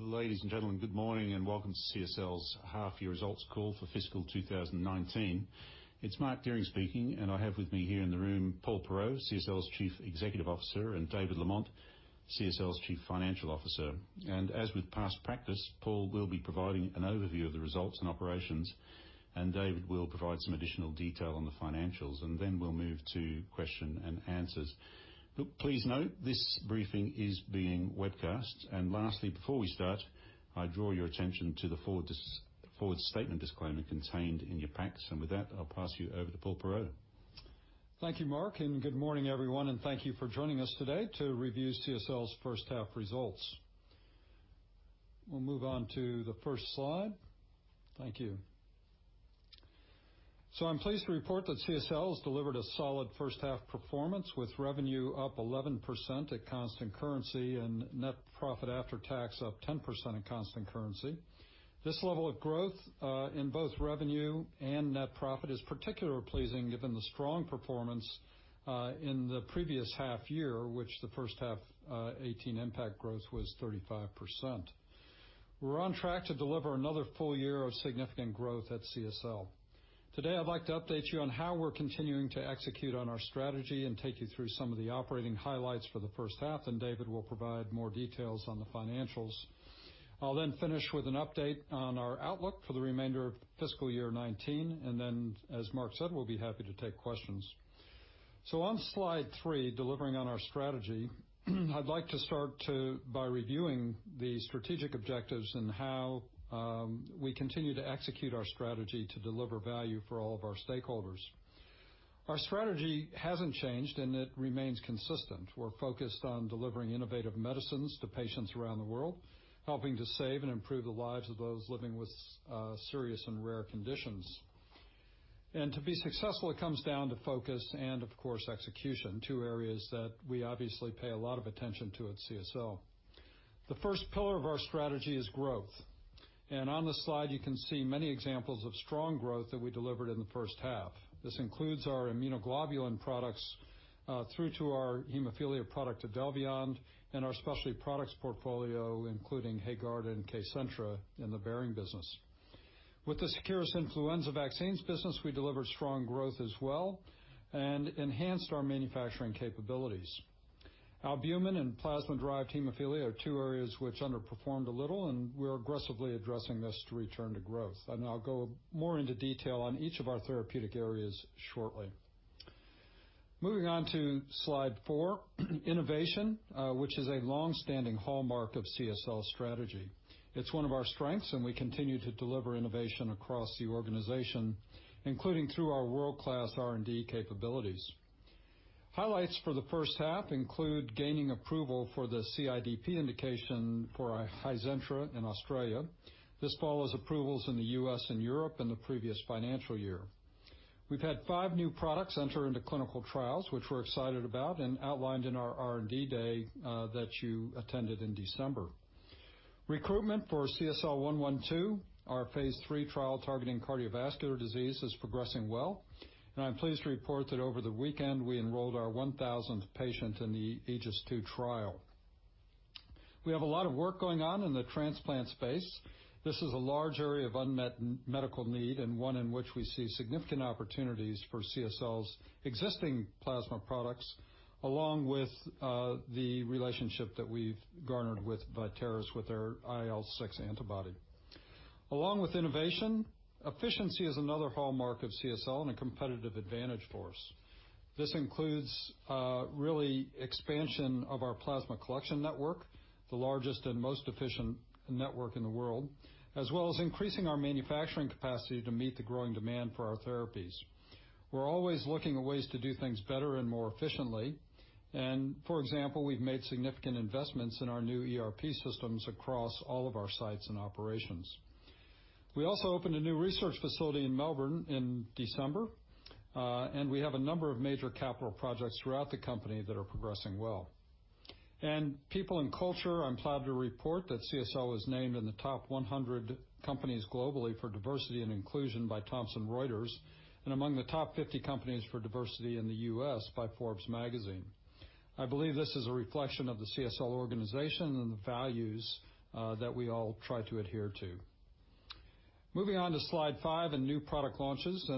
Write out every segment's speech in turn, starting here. Ladies and gentlemen, good morning and welcome to CSL's half-year results call for fiscal 2019. It's Mark Dehring speaking, I have with me here in the room Paul Perreault, CSL's Chief Executive Officer, and David Lamont, CSL's Chief Financial Officer. As with past practice, Paul will be providing an overview of the results and operations, David will provide some additional detail on the financials, then we'll move to question and answers. Look, please note this briefing is being webcast. Lastly, before we start, I draw your attention to the forward statement disclaimer contained in your packs. With that, I'll pass you over to Paul Perreault. Thank you, Mark, good morning, everyone, thank you for joining us today to review CSL's first half results. We'll move on to the first slide. Thank you. I'm pleased to report that CSL has delivered a solid first half performance, with revenue up 11% at constant currency and net profit after tax up 10% in constant currency. This level of growth, in both revenue and net profit, is particularly pleasing given the strong performance in the previous half year, which the first half 2018 impact growth was 35%. We're on track to deliver another full year of significant growth at CSL. Today, I'd like to update you on how we're continuing to execute on our strategy and take you through some of the operating highlights for the first half, David will provide more details on the financials. I'll finish with an update on our outlook for the remainder of fiscal year 2019, then, as Mark said, we'll be happy to take questions. On slide three, delivering on our strategy, I'd like to start by reviewing the strategic objectives and how we continue to execute our strategy to deliver value for all of our stakeholders. Our strategy hasn't changed, it remains consistent. We're focused on delivering innovative medicines to patients around the world, helping to save and improve the lives of those living with serious and rare conditions. To be successful, it comes down to focus and, of course, execution, two areas that we obviously pay a lot of attention to at CSL. The first pillar of our strategy is growth. On the slide, you can see many examples of strong growth that we delivered in the first half. This includes our immunoglobulin products through to our hemophilia product, IDELVION, and our specialty products portfolio, including HAEGARDA and KCENTRA in the Behring business. With the Seqirus Influenza Vaccines business, we delivered strong growth as well and enhanced our manufacturing capabilities. Albumin and plasma-derived hemophilia are two areas which underperformed a little, we're aggressively addressing this to return to growth. I'll go more into detail on each of our therapeutic areas shortly. Moving on to slide four, innovation, which is a long-standing hallmark of CSL's strategy. It's one of our strengths, we continue to deliver innovation across the organization, including through our world-class R&D capabilities. Highlights for the first half include gaining approval for the CIDP indication for HIZENTRA in Australia. This follows approvals in the U.S. and Europe in the previous financial year. We've had five new products enter into clinical trials, which we're excited about and outlined in our R&D Day that you attended in December. Recruitment for CSL112, our phase III trial targeting cardiovascular disease, is progressing well, and I'm pleased to report that over the weekend, we enrolled our 1,000th patient in the AEGIS-II trial. We have a lot of work going on in the transplant space. This is a large area of unmet medical need and one in which we see significant opportunities for CSL's existing plasma products, along with the relationship that we've garnered with Vitaeris with their IL-6 antibody. Along with innovation, efficiency is another hallmark of CSL and a competitive advantage for us. This includes, really expansion of our plasma collection network, the largest and most efficient network in the world, as well as increasing our manufacturing capacity to meet the growing demand for our therapies. We're always looking at ways to do things better and more efficiently. For example, we've made significant investments in our new ERP systems across all of our sites and operations. We also opened a new research facility in Melbourne in December, and we have a number of major capital projects throughout the company that are progressing well. People and culture, I'm proud to report that CSL was named in the top 100 companies globally for diversity and inclusion by Thomson Reuters, and among the top 50 companies for diversity in the U.S. by Forbes magazine. I believe this is a reflection of the CSL organization and the values that we all try to adhere to. Moving on to slide five and new product launches.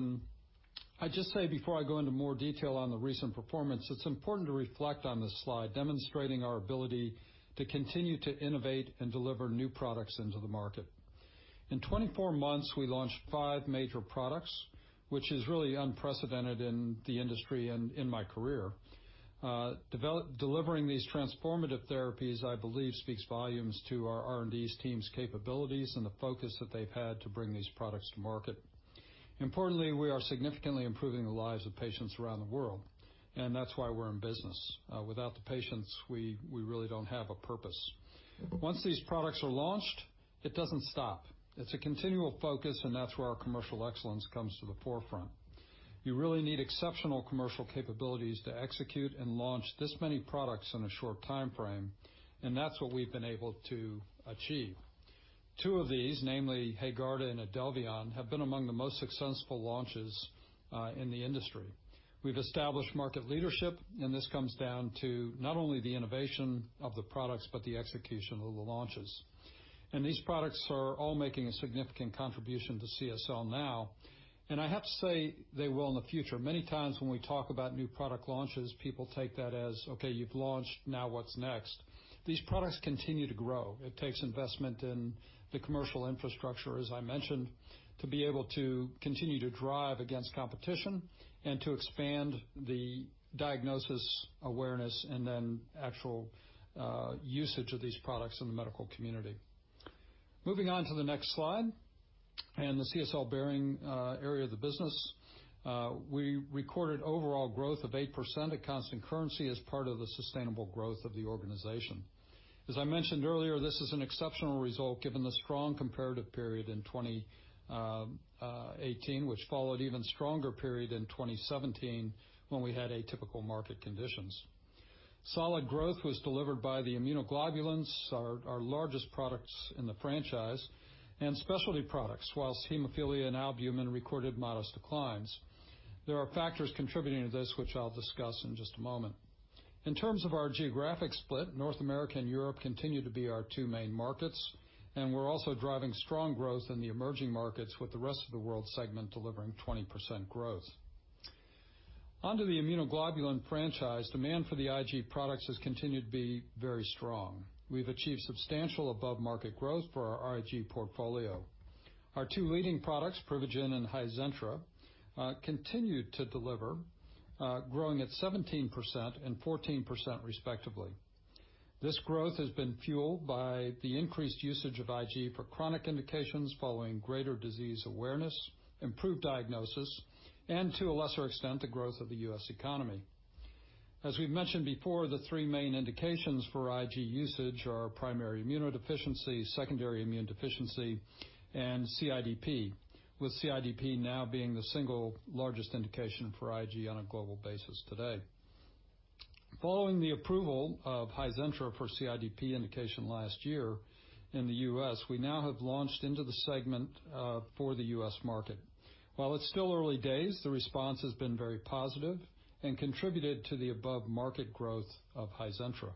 I'd just say before I go into more detail on the recent performance, it's important to reflect on this slide, demonstrating our ability to continue to innovate and deliver new products into the market. In 24 months, we launched five major products, which is really unprecedented in the industry and in my career. Delivering these transformative therapies, I believe, speaks volumes to our R&D team's capabilities and the focus that they've had to bring these products to market. Importantly, we are significantly improving the lives of patients around the world, and that's why we're in business. Without the patients, we really don't have a purpose. Once these products are launched, it doesn't stop. It's a continual focus, and that's where our commercial excellence comes to the forefront. You really need exceptional commercial capabilities to execute and launch this many products in a short timeframe, and that's what we've been able to achieve. Two of these, namely HAEGARDA and IDELVION, have been among the most successful launches in the industry. We've established market leadership, and this comes down to not only the innovation of the products, but the execution of the launches. These products are all making a significant contribution to CSL now, and I have to say, they will in the future. Many times when we talk about new product launches, people take that as, "Okay, you've launched, now what's next?" These products continue to grow. It takes investment in the commercial infrastructure, as I mentioned, to be able to continue to drive against competition and to expand the diagnosis awareness, and then actual usage of these products in the medical community. Moving on to the next slide and the CSL Behring area of the business. We recorded overall growth of 8% at constant currency as part of the sustainable growth of the organization. As I mentioned earlier, this is an exceptional result given the strong comparative period in 2018, which followed an even stronger period in 2017 when we had atypical market conditions. Solid growth was delivered by the immunoglobulins, our largest products in the franchise, and specialty products, whilst hemophilia and albumin recorded modest declines. There are factors contributing to this, which I'll discuss in just a moment. In terms of our geographic split, North America and Europe continue to be our two main markets, and we're also driving strong growth in the emerging markets with the Rest of the World segment delivering 20% growth. On to the immunoglobulin franchise. Demand for the IG products has continued to be very strong. We've achieved substantial above-market growth for our IG portfolio. Our two leading products, PRIVIGEN and HIZENTRA, continued to deliver, growing at 17% and 14%, respectively. This growth has been fueled by the increased usage of IG for chronic indications following greater disease awareness, improved diagnosis, and to a lesser extent, the growth of the U.S. economy. As we've mentioned before, the three main indications for IG usage are primary immunodeficiency, secondary immune deficiency, and CIDP, with CIDP now being the single largest indication for IG on a global basis today. Following the approval of HIZENTRA for CIDP indication last year in the U.S., we now have launched into the segment for the U.S. market. While it's still early days, the response has been very positive and contributed to the above-market growth of HIZENTRA.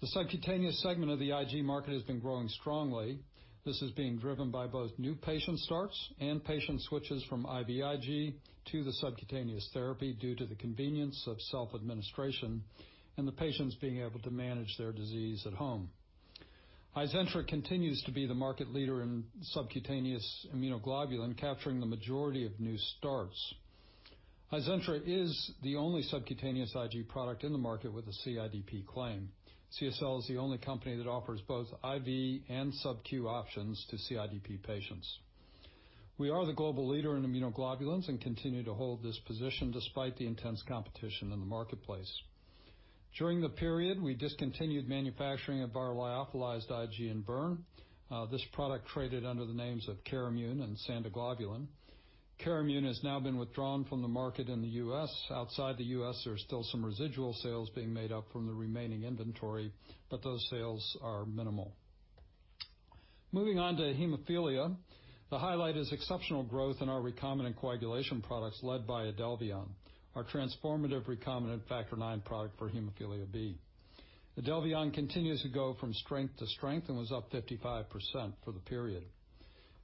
The subcutaneous segment of the IG market has been growing strongly. This is being driven by both new patient starts and patient switches from IVIG to the subcutaneous therapy due to the convenience of self-administration and the patients being able to manage their disease at home. HIZENTRA continues to be the market leader in subcutaneous immunoglobulin, capturing the majority of new starts. HIZENTRA is the only subcutaneous IG product in the market with a CIDP claim. CSL is the only company that offers both IV and sub-Q options to CIDP patients. We are the global leader in immunoglobulins and continue to hold this position despite the intense competition in the marketplace. During the period, we discontinued manufacturing of our lyophilized IG in Bern. This product traded under the names of CARIMUNE and Sandoglobulin. CARIMUNE has now been withdrawn from the market in the U.S. Outside the U.S., there are still some residual sales being made up from the remaining inventory. Those sales are minimal. Moving on to hemophilia. The highlight is exceptional growth in our recombinant coagulation products led by IDELVION, our transformative recombinant factor IX product for hemophilia B. IDELVION continues to go from strength to strength and was up 55% for the period.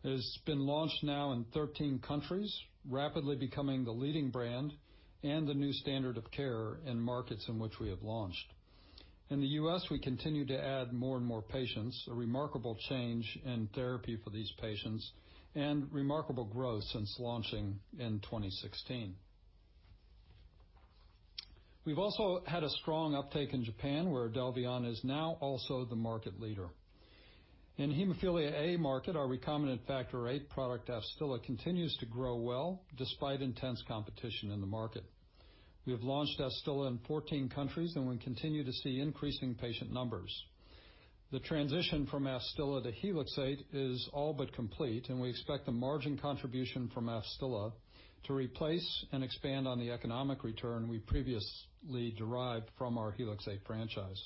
It has been launched now in 13 countries, rapidly becoming the leading brand and the new standard of care in markets in which we have launched. In the U.S., we continue to add more and more patients, a remarkable change in therapy for these patients and remarkable growth since launching in 2016. We've also had a strong uptake in Japan, where IDELVION is now also the market leader. In the hemophilia A market, our recombinant factor VIII product, AFSTYLA, continues to grow well despite intense competition in the market. We have launched AFSTYLA in 14 countries, and we continue to see increasing patient numbers. The transition from AFSTYLA to HELIXATE is all but complete, and we expect the margin contribution from AFSTYLA to replace and expand on the economic return we previously derived from our HELIXATE franchise.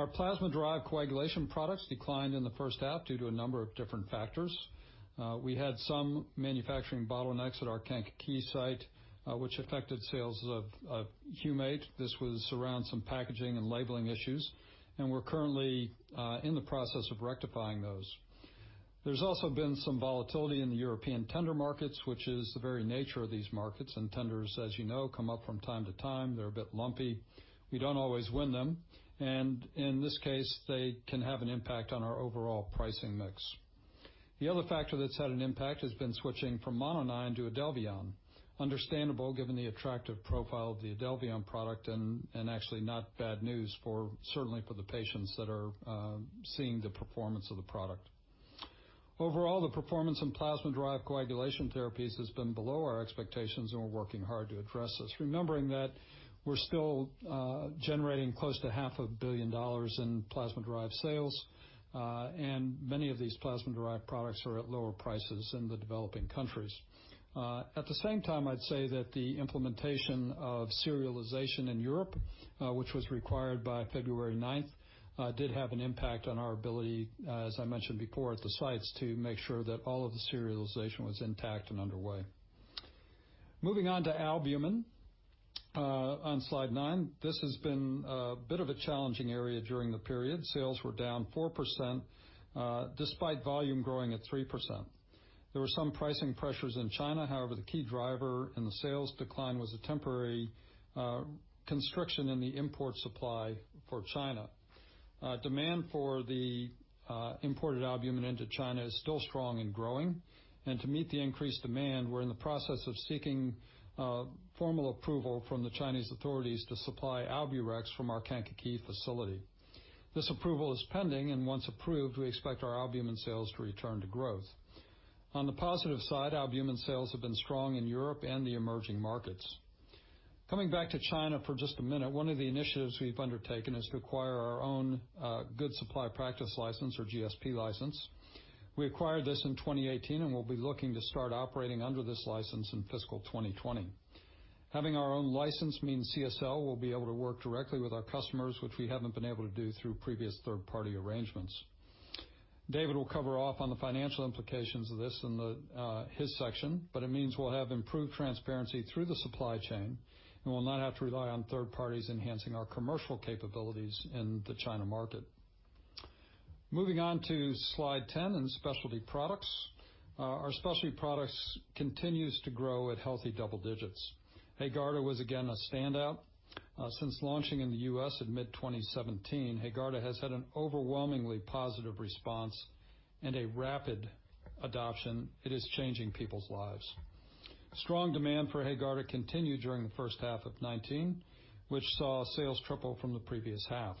Our plasma-derived coagulation products declined in the first half due to a number of different factors. We had some manufacturing bottlenecks at our Kankakee site which affected sales of HUMATE. This was around some packaging and labeling issues, and we are currently in the process of rectifying those. There has also been some volatility in the European tender markets, which is the very nature of these markets. Tenders, as you know, come up from time to time. They are a bit lumpy. We do not always win them, and in this case, they can have an impact on our overall pricing mix. The other factor that has had an impact has been switching from MONONINE to IDELVION. Understandable, given the attractive profile of the IDELVION product and actually not bad news, certainly for the patients that are seeing the performance of the product. Overall, the performance in plasma-derived coagulation therapies has been below our expectations, and we are working hard to address this. Remembering that we are still generating close to 0.5 billion dollars in plasma-derived sales. Many of these plasma-derived products are at lower prices in the developing countries. At the same time, I would say that the implementation of serialization in Europe, which was required by February 9th, did have an impact on our ability, as I mentioned before, at the sites to make sure that all of the serialization was intact and underway. Moving on to albumin, on slide nine. This has been a bit of a challenging area during the period. Sales were down 4%, despite volume growing at 3%. There were some pricing pressures in China. However, the key driver in the sales decline was a temporary constriction in the import supply for China. Demand for the imported albumin into China is still strong and growing, and to meet the increased demand, we are in the process of seeking formal approval from the Chinese authorities to supply AlbuRx from our Kankakee facility. This approval is pending, and once approved, we expect our albumin sales to return to growth. On the positive side, albumin sales have been strong in Europe and the emerging markets. Coming back to China for just a minute, one of the initiatives we have undertaken is to acquire our own goods supply practice license or GSP license. We acquired this in 2018, and we will be looking to start operating under this license in FY 2020. Having our own license means CSL will be able to work directly with our customers, which we have not been able to do through previous third-party arrangements. David will cover off on the financial implications of this in his section, but it means we will have improved transparency through the supply chain, and we will not have to rely on third parties enhancing our commercial capabilities in the China market. Moving on to slide 10 and specialty products. Our specialty products continues to grow at healthy double digits. HAEGARDA was again a standout. Since launching in the U.S. in mid-2017, HAEGARDA has had an overwhelmingly positive response and a rapid adoption. It is changing people's lives. Strong demand for HAEGARDA continued during the first half of 2019, which saw sales triple from the previous half.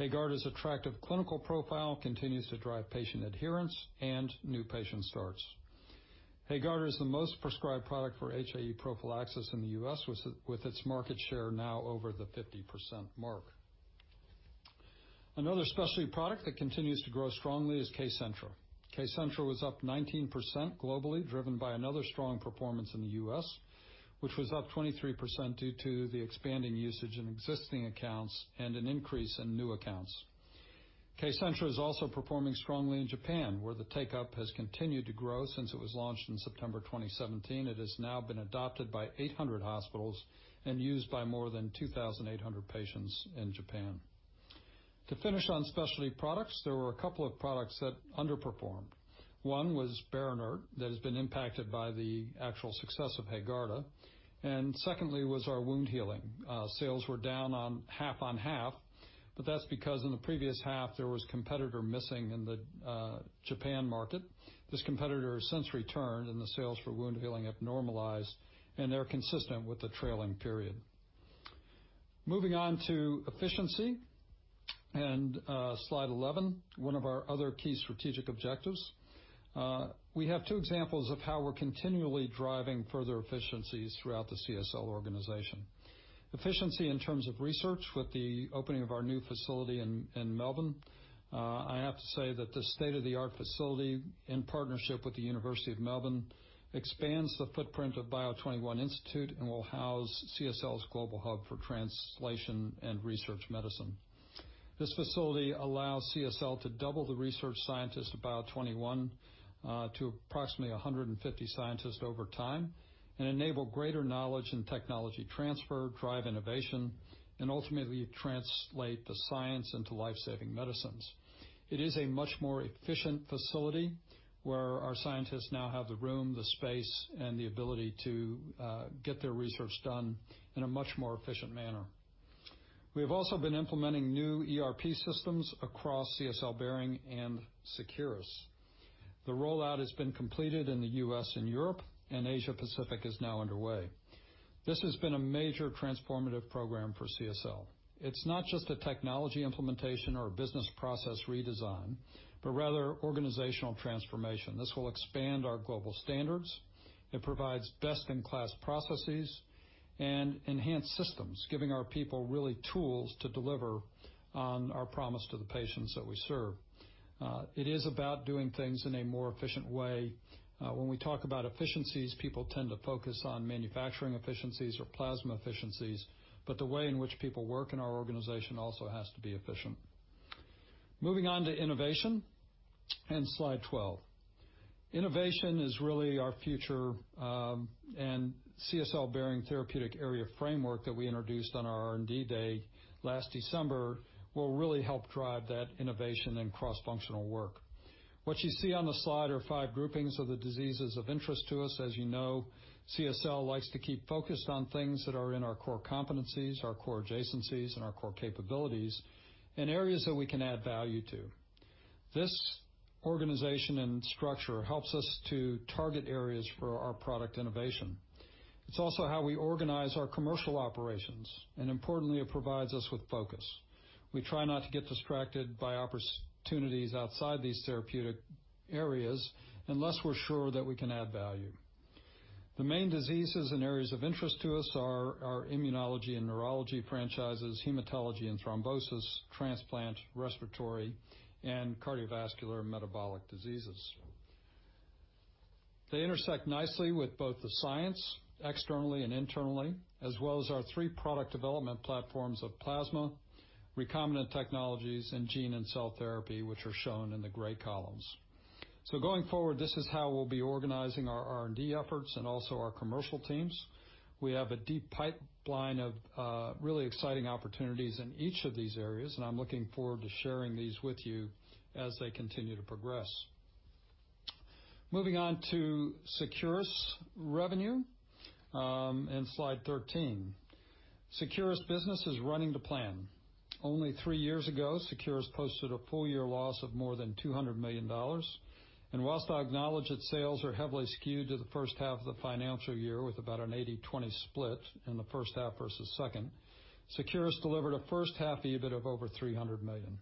HAEGARDA's attractive clinical profile continues to drive patient adherence and new patient starts. HAEGARDA is the most prescribed product for HAE prophylaxis in the U.S., with its market share now over the 50% mark. Another specialty product that continues to grow strongly is KCENTRA. KCENTRA was up 19% globally, driven by another strong performance in the U.S., which was up 23% due to the expanding usage in existing accounts and an increase in new accounts. KCENTRA is also performing strongly in Japan, where the take-up has continued to grow since it was launched in September 2017. It has now been adopted by 800 hospitals and used by more than 2,800 patients in Japan. To finish on specialty products, there were a couple of products that underperformed. One was BERINERT that has been impacted by the actual success of HAEGARDA, and secondly was our wound healing. Sales were down on half on half, but that's because in the previous half, there was a competitor missing in the Japan market. This competitor has since returned, and the sales for wound healing have normalized, and they're consistent with the trailing period. Moving on to efficiency and slide 11, one of our other key strategic objectives. We have two examples of how we're continually driving further efficiencies throughout the CSL organization. Efficiency in terms of research with the opening of our new facility in Melbourne. I have to say that the state-of-the-art facility, in partnership with the University of Melbourne, expands the footprint of Bio21 Institute and will house CSL's global hub for translation and research medicine. This facility allows CSL to double the research scientists at Bio21 to approximately 150 scientists over time and enable greater knowledge and technology transfer, drive innovation, and ultimately translate the science into life-saving medicines. It is a much more efficient facility where our scientists now have the room, the space, and the ability to get their research done in a much more efficient manner. We have also been implementing new ERP systems across CSL Behring and Seqirus. The rollout has been completed in the U.S. and Europe, and Asia Pacific is now underway. This has been a major transformative program for CSL. It's not just a technology implementation or a business process redesign, but rather organizational transformation. This will expand our global standards. It provides best-in-class processes and enhanced systems, giving our people really tools to deliver on our promise to the patients that we serve. It is about doing things in a more efficient way. When we talk about efficiencies, people tend to focus on manufacturing efficiencies or plasma efficiencies, but the way in which people work in our organization also has to be efficient. Moving on to innovation and slide 12. Innovation is really our future, and CSL Behring therapeutic area framework that we introduced on our R&D day last December will really help drive that innovation and cross-functional work. What you see on the slide are five groupings of the diseases of interest to us. As you know, CSL likes to keep focused on things that are in our core competencies, our core adjacencies, and our core capabilities, and areas that we can add value to. This organization and structure helps us to target areas for our product innovation. It is also how we organize our commercial operations, and importantly, it provides us with focus. We try not to get distracted by opportunities outside these therapeutic areas unless we are sure that we can add value. The main diseases and areas of interest to us are our immunology and neurology franchises, hematology and thrombosis, transplant, respiratory, and cardiovascular metabolic diseases. They intersect nicely with both the science externally and internally, as well as our three product development platforms of plasma, recombinant technologies, and gene and cell therapy, which are shown in the gray columns. Going forward, this is how we will be organizing our R&D efforts and also our commercial teams. We have a deep pipeline of really exciting opportunities in each of these areas, and I am looking forward to sharing these with you as they continue to progress. Moving on to Seqirus revenue in slide 13. Seqirus business is running to plan. Only three years ago, Seqirus posted a full year loss of more than 200 million dollars. Whilst I acknowledge that sales are heavily skewed to the first half of the financial year, with about an 80/20 split in the first half versus second, Seqirus delivered a first half EBIT of over 300 million.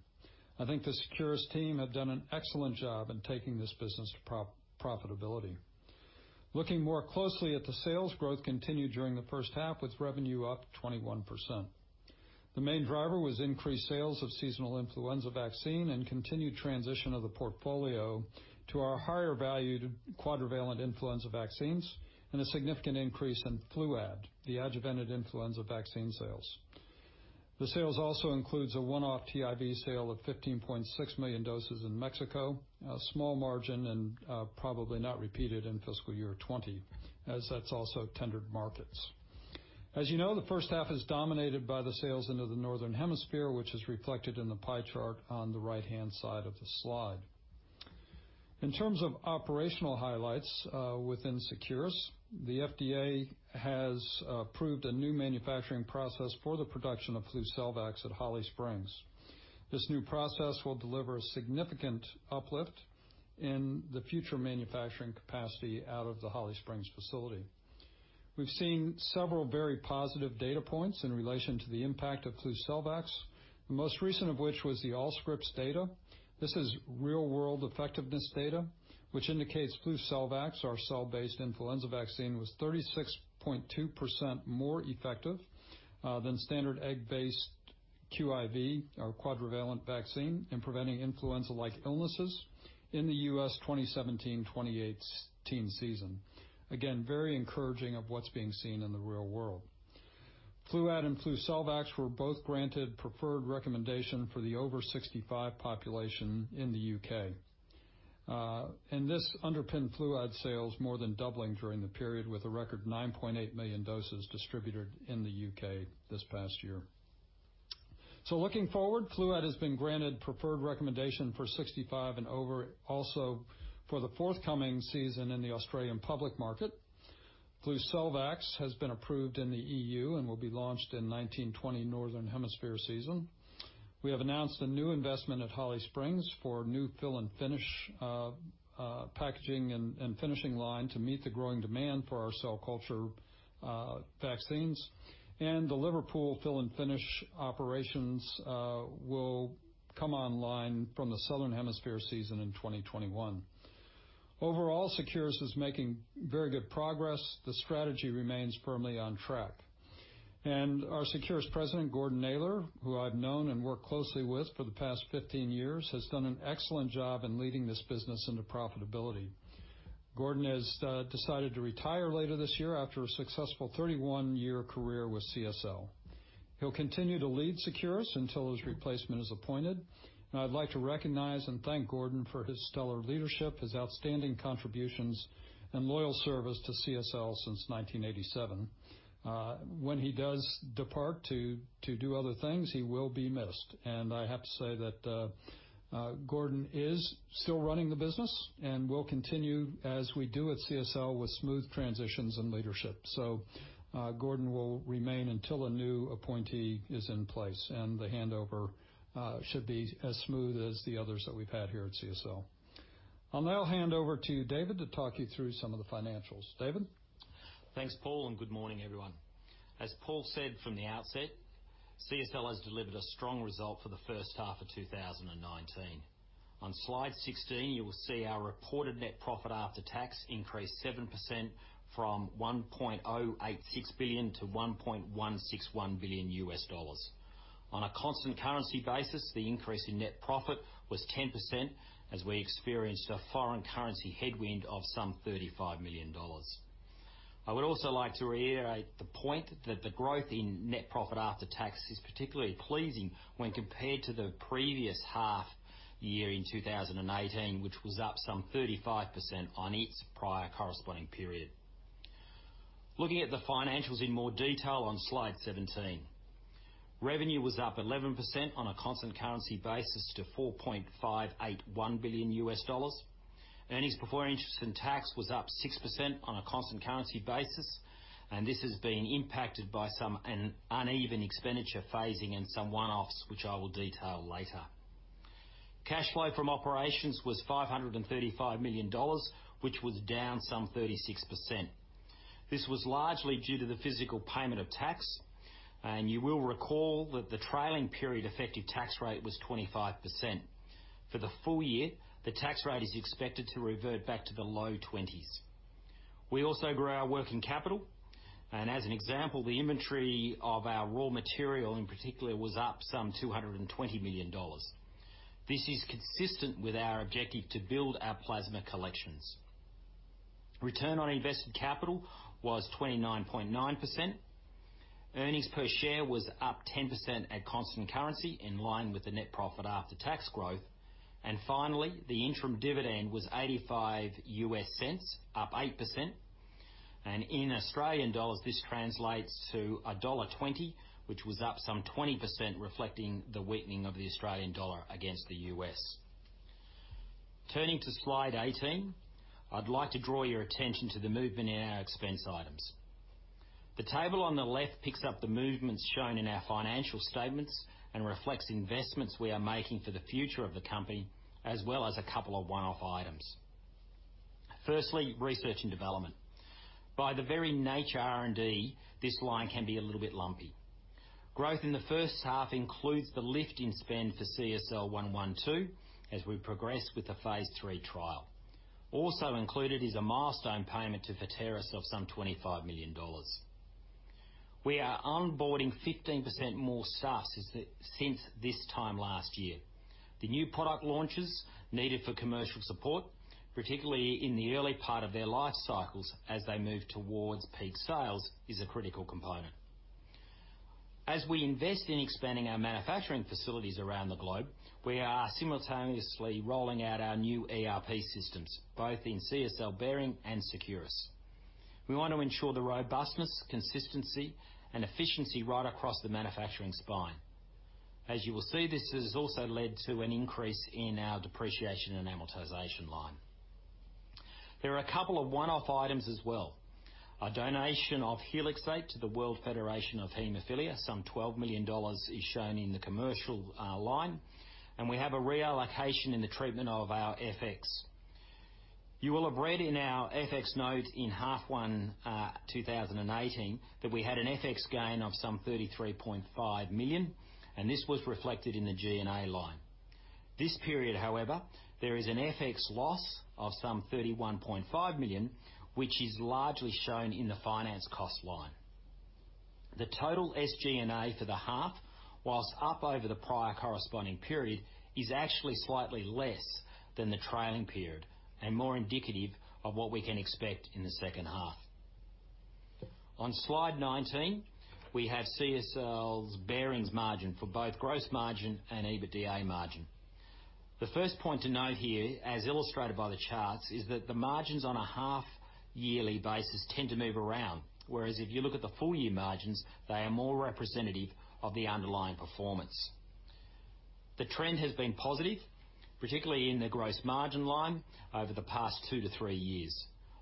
I think the Seqirus team have done an excellent job in taking this business to profitability. Looking more closely at the sales growth continued during the first half, with revenue up 21%. The main driver was increased sales of seasonal influenza vaccine and continued transition of the portfolio to our higher valued quadrivalent influenza vaccines and a significant increase in FLUAD, the adjuvanted influenza vaccine sales. The sales also includes a one-off TIV sale of 15.6 million doses in Mexico, a small margin, and probably not repeated in FY 2020, as that is also tendered markets. You know, the first half is dominated by the sales into the northern hemisphere, which is reflected in the pie chart on the right-hand side of the slide. In terms of operational highlights within Seqirus, the FDA has approved a new manufacturing process for the production of FLUCELVAX at Holly Springs. This new process will deliver a significant uplift in the future manufacturing capacity out of the Holly Springs facility. We have seen several very positive data points in relation to the impact of FLUCELVAX, the most recent of which was the Allscripts data. This is real-world effectiveness data, which indicates FLUCELVAX, our cell-based influenza vaccine, was 36.2% more effective than standard egg-based QIV, or quadrivalent vaccine, in preventing influenza-like illnesses in the U.S. 2017/2018 season. Very encouraging of what is being seen in the real world. FLUAD and FLUCELVAX were both granted preferred recommendation for the over 65 population in the U.K. This underpinned FLUAD sales more than doubling during the period, with a record 9.8 million doses distributed in the U.K. this past year. Looking forward, FLUAD has been granted preferred recommendation for 65 and over also for the forthcoming season in the Australian public market. FLUCELVAX has been approved in the EU and will be launched in 2019/2020 northern hemisphere season. We have announced a new investment at Holly Springs for new fill and finish, packaging and finishing line to meet the growing demand for our cell culture vaccines. The Liverpool fill and finish operations will come online from the southern hemisphere season in 2021. Overall, Seqirus is making very good progress. The strategy remains firmly on track. Our Seqirus President, Gordon Naylor, who I've known and worked closely with for the past 15 years, has done an excellent job in leading this business into profitability. Gordon has decided to retire later this year after a successful 31-year career with CSL. He will continue to lead Seqirus until his replacement is appointed. I would like to recognize and thank Gordon for his stellar leadership, his outstanding contributions, and loyal service to CSL since 1987. When he does depart to do other things, he will be missed. I have to say that Gordon is still running the business and will continue as we do at CSL with smooth transitions in leadership. Gordon will remain until a new appointee is in place, and the handover should be as smooth as the others that we've had here at CSL. I will now hand over to David to talk you through some of the financials. David? Thanks, Paul, and good morning, everyone. As Paul said from the outset, CSL has delivered a strong result for the first half of 2019. On slide 16, you will see our reported net profit after tax increased 7% from $1.086 billion to $1.161 billion. On a constant currency basis, the increase in net profit was 10% as we experienced a foreign currency headwind of some $35 million. I would also like to reiterate the point that the growth in net profit after tax is particularly pleasing when compared to the previous half year in 2018, which was up some 35% on its prior corresponding period. Looking at the financials in more detail on slide 17. Revenue was up 11% on a constant currency basis to $4.581 billion. Earnings before interest and tax was up 6% on a constant currency basis, and this has been impacted by some uneven expenditure phasing and some one-offs, which I will detail later. Cash flow from operations was $535 million, which was down some 36%. This was largely due to the physical payment of tax, and you will recall that the trailing period effective tax rate was 25%. For the full year, the tax rate is expected to revert back to the low 20s. We also grew our working capital. As an example, the inventory of our raw material, in particular, was up some $220 million. This is consistent with our objective to build our plasma collections. Return on invested capital was 29.9%. Earnings per share was up 10% at constant currency, in line with the net profit after tax growth. Finally, the interim dividend was $0.85, up 8%. In Australian dollars, this translates to dollar 1.20, which was up some 20%, reflecting the weakening of the Australian dollar against the U.S. Turning to slide 18, I'd like to draw your attention to the movement in our expense items. The table on the left picks up the movements shown in our financial statements and reflects investments we are making for the future of the company, as well as a couple of one-off items. Firstly, research and development. By the very nature of R&D, this line can be a little bit lumpy. Growth in the first half includes the lift in spend for CSL112 as we progress with the phase III trial. Also included is a milestone payment to Vitaeris of some $25 million. We are onboarding 15% more staffs since this time last year. The new product launches needed for commercial support, particularly in the early part of their life cycles as they move towards peak sales, is a critical component. As we invest in expanding our manufacturing facilities around the globe, we are simultaneously rolling out our new ERP systems, both in CSL Behring and Seqirus. We want to ensure the robustness, consistency, and efficiency right across the manufacturing spine. As you will see, this has also led to an increase in our Depreciation and Amortization line. There are a couple of one-off items as well. A donation of HELIXATE to the World Federation of Hemophilia, some $12 million, is shown in the commercial line, and we have a reallocation in the treatment of our FX. You will have read in our FX note in half one 2018 that we had an FX gain of some $33.5 million, and this was reflected in the G&A line. This period, however, there is an FX loss of some $31.5 million, which is largely shown in the finance cost line. The total SG&A for the half, whilst up over the prior corresponding period, is actually slightly less than the trailing period and more indicative of what we can expect in the second half. On slide 19, we have CSL Behring's margin for both gross margin and EBITDA margin. The first point to note here, as illustrated by the charts, is that the margins on a half-yearly basis tend to move around, whereas if you look at the full year margins, they are more representative of the underlying performance. The trend has been positive, particularly in the gross margin line over the past two to three years.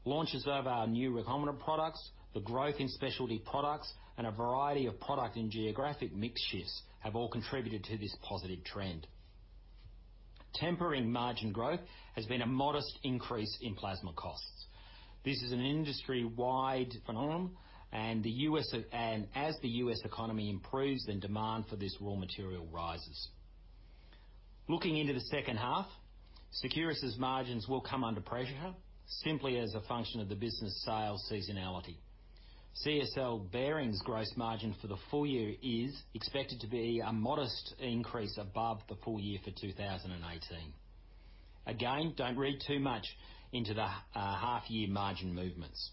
Launches of our new recombinant products, the growth in specialty products, and a variety of product and geographic mix shifts have all contributed to this positive trend. Tempering margin growth has been a modest increase in plasma costs. This is an industry-wide phenomenon, and as the U.S. economy improves, demand for this raw material rises. Looking into the second half, Seqirus' margins will come under pressure simply as a function of the business sale seasonality. CSL Behring's gross margin for the full year is expected to be a modest increase above the full year for 2018. Again, don't read too much into the half-year margin movements.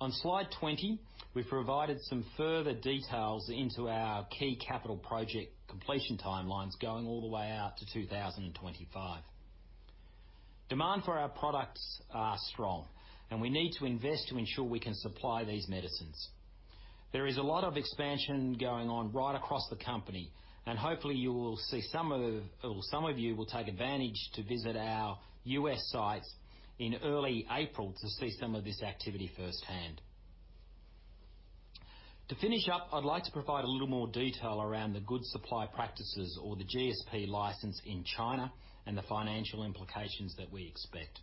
On slide 20, we've provided some further details into our key capital project completion timelines going all the way out to 2025. Demand for our products are strong. We need to invest to ensure we can supply these medicines. There is a lot of expansion going on right across the company. Hopefully some of you will take advantage to visit our U.S. sites in early April to see some of this activity firsthand. To finish up, I'd like to provide a little more detail around the good supply practices or the GSP license in China and the financial implications that we expect.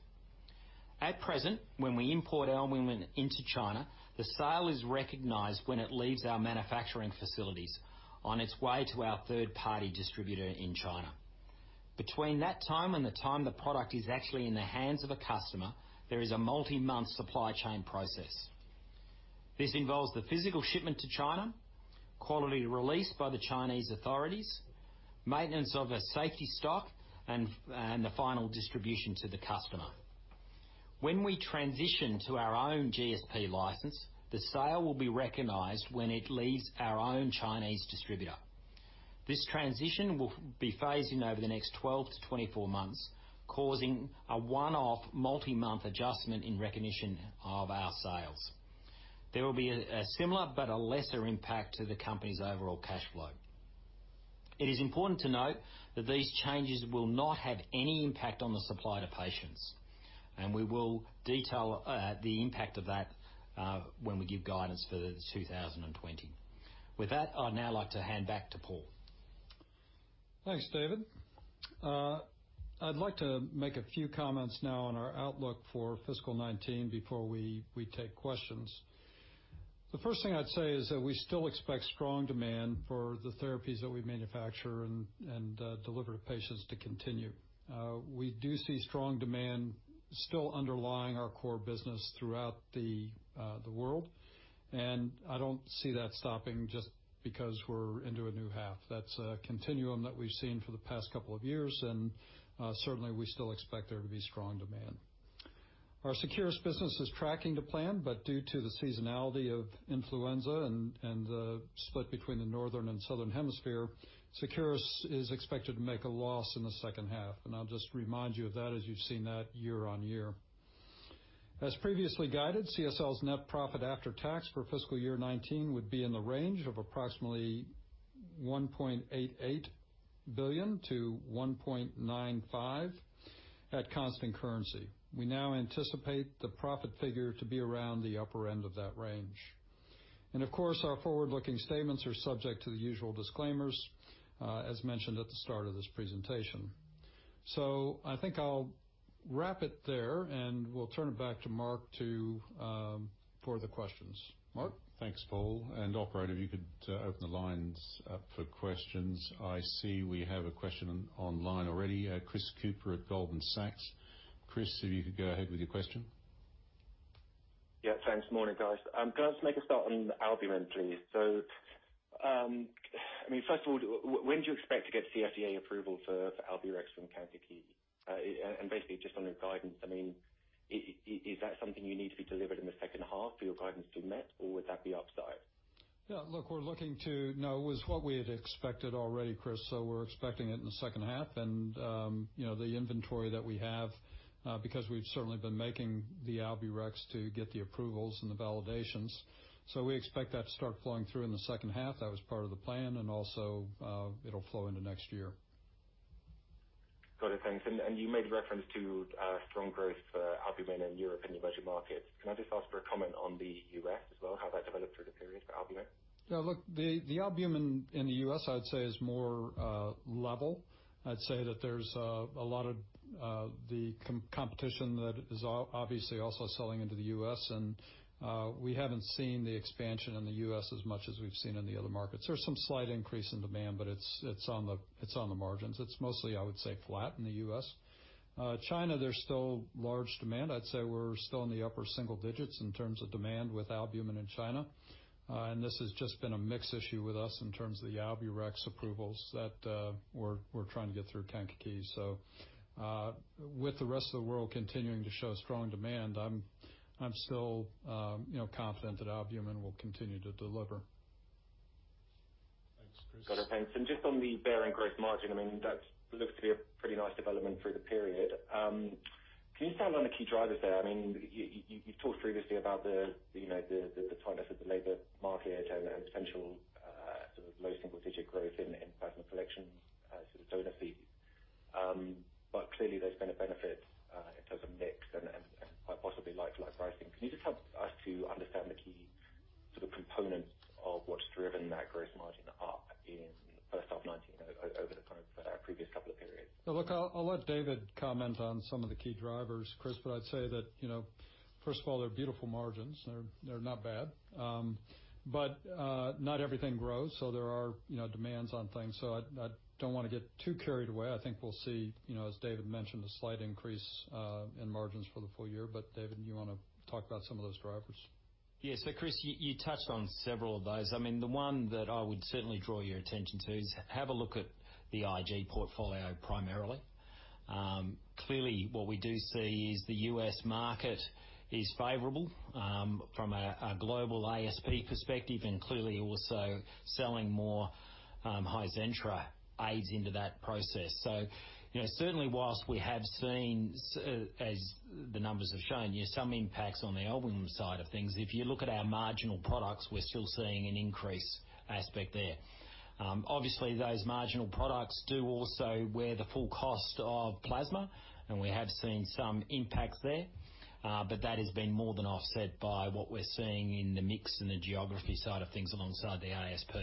At present, when we import albumin into China, the sale is recognized when it leaves our manufacturing facilities on its way to our third-party distributor in China. Between that time and the time the product is actually in the hands of a customer, there is a multi-month supply chain process. This involves the physical shipment to China, quality release by the Chinese authorities, maintenance of a safety stock, and the final distribution to the customer. When we transition to our own GSP license, the sale will be recognized when it leaves our own Chinese distributor. This transition will be phased in over the next 12 to 24 months, causing a one-off multi-month adjustment in recognition of our sales. There will be a similar but a lesser impact to the company's overall cash flow. It is important to note that these changes will not have any impact on the supply to patients, and we will detail the impact of that when we give guidance for 2020. I'd now like to hand back to Paul. Thanks, David. I'd like to make a few comments now on our outlook for fiscal 2019 before we take questions. The first thing I'd say is that we still expect strong demand for the therapies that we manufacture and deliver to patients to continue. We do see strong demand still underlying our core business throughout the world. I don't see that stopping just because we're into a new half. That's a continuum that we've seen for the past couple of years. Certainly, we still expect there to be strong demand. Our Seqirus business is tracking to plan. Due to the seasonality of influenza and the split between the northern and southern hemisphere, Seqirus is expected to make a loss in the second half. I'll just remind you of that as you've seen that year-on-year. As previously guided, CSL's net profit after tax for fiscal year 2019 would be in the range of approximately 1.88 billion-1.95 billion at constant currency. We now anticipate the profit figure to be around the upper end of that range. Of course, our forward-looking statements are subject to the usual disclaimers, as mentioned at the start of this presentation. I think I'll wrap it there. We'll turn it back to Mark for the questions. Mark? Thanks, Paul. Operator, if you could open the lines up for questions. I see we have a question online already. Chris Cooper at Goldman Sachs. Chris, if you could go ahead with your question. Thanks. Morning, guys. Can I just make a start on albumin, please? First of all, when do you expect to get FDA approval for AlbuRx from Kankakee? Basically, just on your guidance, is that something you need to be delivered in the second half for your guidance to be met, or would that be upside? We're looking to know is what we had expected already, Chris, so we're expecting it in the second half and the inventory that we have, because we've certainly been making the AlbuRx to get the approvals and the validations. We expect that to start flowing through in the second half. That was part of the plan, and also, it'll flow into next year. Got it. Thanks. You made reference to strong growth for albumin in Europe and emerging markets. Can I just ask for a comment on the U.S. as well, how that developed through the period for albumin? The albumin in the U.S. I'd say is more level. I'd say that there's a lot of the competition that is obviously also selling into the U.S. and we haven't seen the expansion in the U.S. as much as we've seen in the other markets. There's some slight increase in demand, but it's on the margins. It's mostly, I would say, flat in the U.S. China, there's still large demand. I'd say we're still in the upper single digits in terms of demand with albumin in China. This has just been a mix issue with us in terms of the AlbuRx approvals that we're trying to get through Kankakee. With the Rest of the World continuing to show strong demand, I'm still confident that albumin will continue to deliver. Thanks, Chris. Got it, thanks. On the Behring gross margin, that looks to be a pretty nice development through the period. Can you expand on the key drivers there? You've talked previously about the tightness of the labor market and the potential sort of low single-digit growth in plasma collection sort of donor fee. Clearly, there's been a benefit in terms of mix and quite possibly like-for-like pricing. Can you just help us to understand the key sort of components of what's driven that gross margin up in the first half of 2019 over the kind of previous couple of periods? I'll let David comment on some of the key drivers, Chris, but I'd say that, first of all, they're beautiful margins. They're not bad. Not everything grows. There are demands on things. I don't want to get too carried away. I think we'll see, as David mentioned, a slight increase in margins for the full year. David, you want to talk about some of those drivers? Yeah. Chris, you touched on several of those. The one that I would certainly draw your attention to is have a look at the IG portfolio primarily. Clearly, what we do see is the U.S. market is favorable from a global ASP perspective, and clearly also selling more HIZENTRA aids into that process. Certainly, whilst we have seen, as the numbers have shown you, some impacts on the albumin side of things, if you look at our marginal products, we're still seeing an increase aspect there. Obviously, those marginal products do also wear the full cost of plasma, and we have seen some impacts there. That has been more than offset by what we're seeing in the mix and the geography side of things alongside the ASP.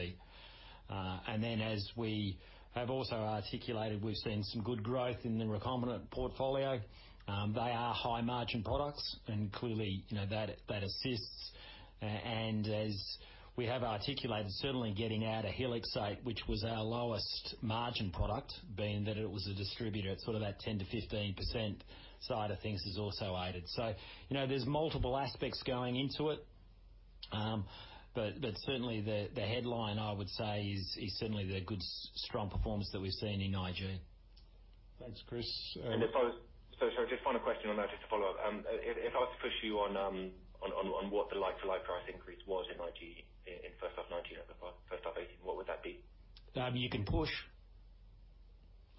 Then as we have also articulated, we've seen some good growth in the recombinant portfolio. They are high-margin products, and clearly, that assists. As we have articulated, certainly getting out of HELIXATE, which was our lowest margin product, being that it was a distributor at sort of that 10%-15% side of things has also aided. There's multiple aspects going into it. Certainly the headline I would say is certainly the good, strong performance that we've seen in IG. Thanks, Chris. If I was So sorry, just final question on that, just to follow up. If I was to push you on what the like-for-like price increase was in IG in first half 2019 over first half 2018, what would that be? You can push.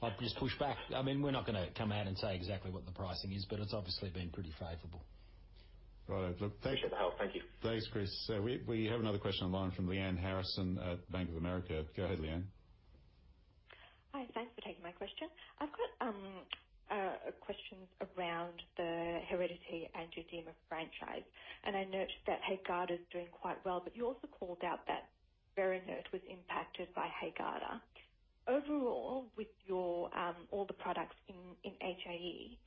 I'll just push back. We're not going to come out and say exactly what the pricing is, but it's obviously been pretty favorable. Right. Look, thank you. Appreciate the help. Thank you. Thanks, Chris. We have another question online from Lyanne Harrison at Bank of America. Go ahead, Lyanne. Hi. Thanks for taking my question. I've got questions around the hereditary angioedema franchise, and I note that HAEGARDA is doing quite well, but you also called out that Behring was impacted by HAEGARDA. Overall, with all the products in HAE,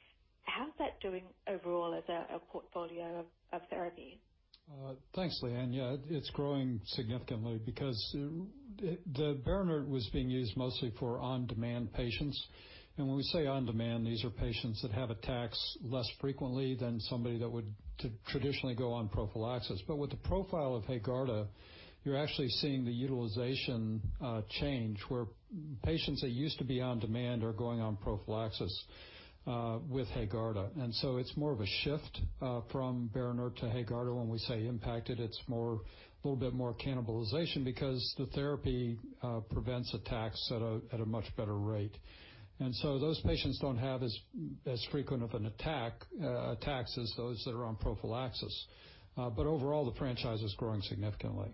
how's that doing overall as a portfolio of therapies? Thanks, Lyanne. Yeah, it's growing significantly because the BERINERT was being used mostly for on-demand patients. When we say on-demand, these are patients that have attacks less frequently than somebody that would traditionally go on prophylaxis. With the profile of HAEGARDA, you're actually seeing the utilization change, where patients that used to be on demand are going on prophylaxis with HAEGARDA. It's more of a shift from BERINERT to HAEGARDA. When we say impacted, it's a little bit more cannibalization because the therapy prevents attacks at a much better rate. Those patients don't have as frequent of an attack as those that are on prophylaxis. Overall, the franchise is growing significantly.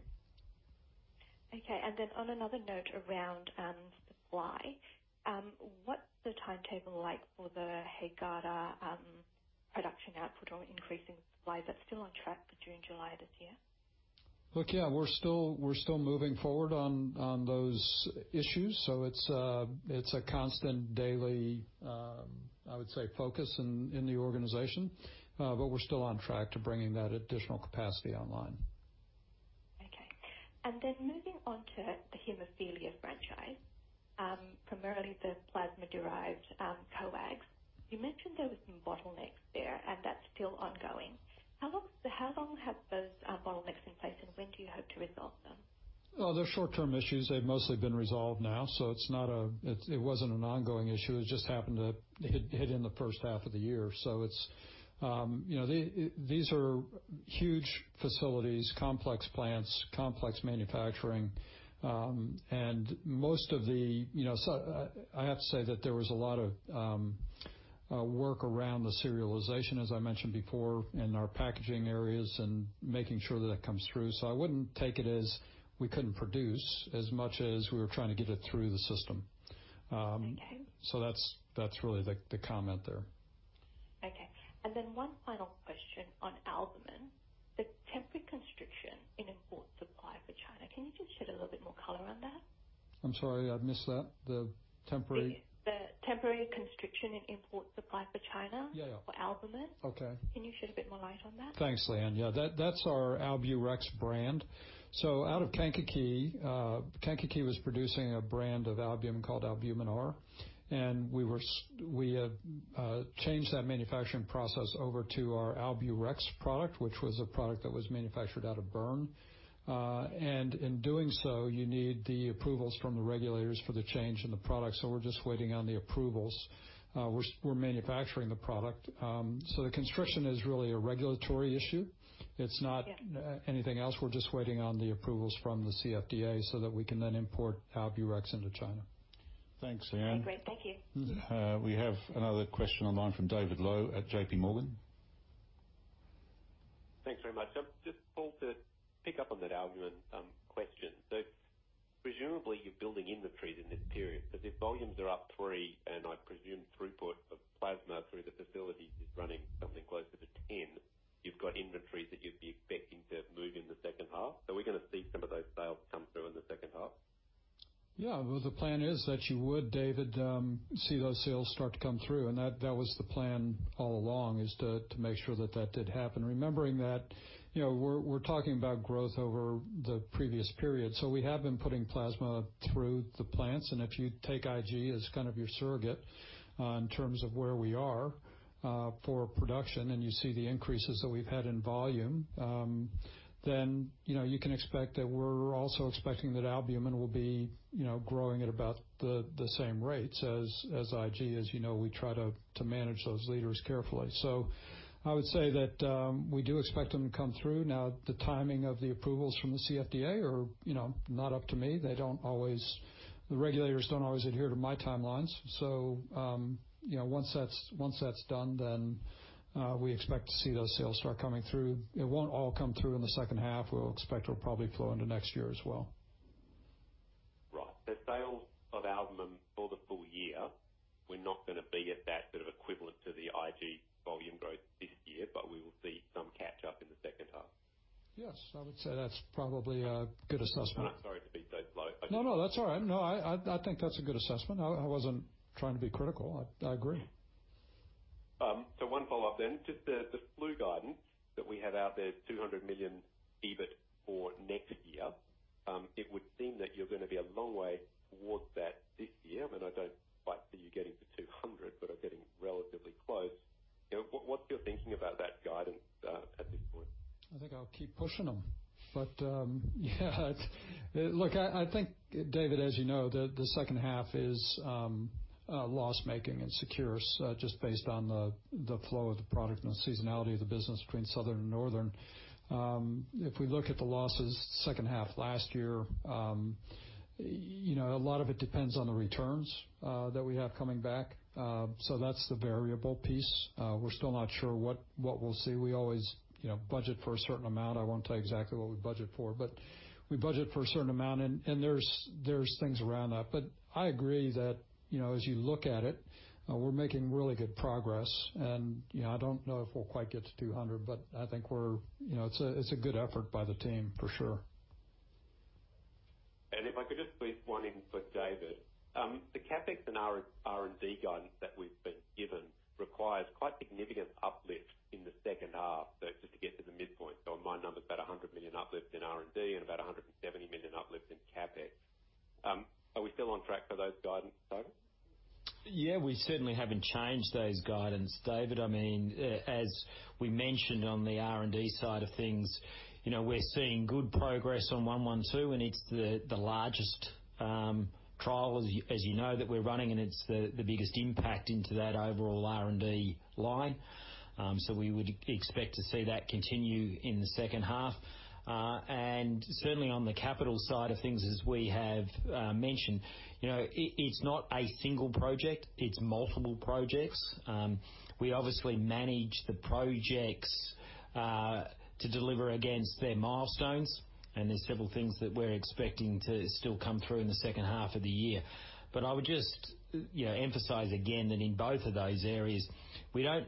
Okay. On another note around supply, what's the timetable like for the HAEGARDA production output or increasing supply? Is that still on track for June, July this year? Look, yeah, we're still moving forward on those issues. It's a constant daily, I would say, focus in the organization. We're still on track to bringing that additional capacity online. Okay. Then moving on to the hemophilia franchise, primarily the plasma-derived coags. You mentioned there were some bottlenecks there, and that's still ongoing. How long have those bottlenecks in place, and when do you hope to resolve them? They're short-term issues. They've mostly been resolved now. It wasn't an ongoing issue. It just happened to hit in the first half of the year. These are huge facilities, complex plants, complex manufacturing. I have to say that there was a lot of work around the serialization, as I mentioned before, in our packaging areas and making sure that that comes through. I wouldn't take it as we couldn't produce as much as we were trying to get it through the system. Okay. That's really the comment there. Okay. Then one final question on albumin, the temporary constriction in import supply for China. Can you just shed a little bit more color on that? I'm sorry, I missed that. The temporary The temporary constriction in import supply for China- Yeah. ...for albumin. Okay. Can you shed a bit more light on that? Thanks, Leanne. Yeah, that's our AlbuRx brand. Out of Kankakee was producing a brand of albumin called Albuminar, we changed that manufacturing process over to our AlbuRx product, which was a product that was manufactured out of Bern. In doing so, you need the approvals from the regulators for the change in the product. We're just waiting on the approvals. We're manufacturing the product. The constriction is really a regulatory issue. It's not- Yeah anything else. We're just waiting on the approvals from the NMPA so that we can then import AlbuRx into China. Thanks, Lyanne. Great. Thank you. We have another question online from David Low at JPMorgan. Thanks very much. Just, Paul, to pick up on that albumin question. Presumably, you're building inventories in this period, because if volumes are up three, and I presume throughput of plasma through the facilities is running something closer to 10, you've got inventories that you'd be expecting to move in the second half. Are we going to see some of those sales come through in the second half? Yeah, the plan is that you would, David, see those sales start to come through, and that was the plan all along, is to make sure that that did happen. Remembering that we're talking about growth over the previous period. We have been putting plasma through the plants, and if you take IG as kind of your surrogate in terms of where we are for production, and you see the increases that we've had in volume, then you can expect that we're also expecting that albumin will be growing at about the same rates as IG. You know, we try to manage those leaders carefully. I would say that we do expect them to come through. Now, the timing of the approvals from the CFDA are not up to me. The regulators don't always adhere to my timelines. Once that's done, we expect to see those sales start coming through. It won't all come through in the second half. We'll expect it'll probably flow into next year as well. Right. The sales of albumin for the full year were not going to be at that equivalent to the IG volume growth this year, but we will see some catch up in the second half. Yes. I would say that's probably a good assessment. Sorry to be so blunt. No, that's all right. No, I think that's a good assessment. I wasn't trying to be critical. I agree. One follow-up. Just the flu guidance that we have out there, 200 million EBIT for next year. It would seem that you're going to be a long way towards that this year, but I don't quite see you getting to 200 million, but are getting relatively close. What's your thinking about that guidance at this point? I think I'll keep pushing them. Look, I think, David, as you know, the second half is loss-making in Seqirus just based on the flow of the product and the seasonality of the business between southern and northern. If we look at the losses second half last year, a lot of it depends on the returns that we have coming back. That's the variable piece. We're still not sure what we'll see. We always budget for a certain amount. I won't tell you exactly what we budget for, but we budget for a certain amount, and there's things around that. I agree that as you look at it, we're making really good progress, and I don't know if we'll quite get to 200 million, but I think it's a good effort by the team for sure. If I could just squeeze one in for David. The CapEx and R&D guidance that we've been given requires quite significant uplift in the second half, just to get to the midpoint. My number's about 100 million uplift in R&D and about 170 million uplift in CapEx. Are we still on track for those guidance, David? We certainly haven't changed those guidance, David. As we mentioned on the R&D side of things, we're seeing good progress on CSL112, and it's the largest trial, as you know, that we're running, and it's the biggest impact into that overall R&D line. We would expect to see that continue in the second half. Certainly on the capital side of things, as we have mentioned, it's not a single project. It's multiple projects. We obviously manage the projects to deliver against their milestones, and there's several things that we're expecting to still come through in the second half of the year. I would just emphasize again that in both of those areas, we don't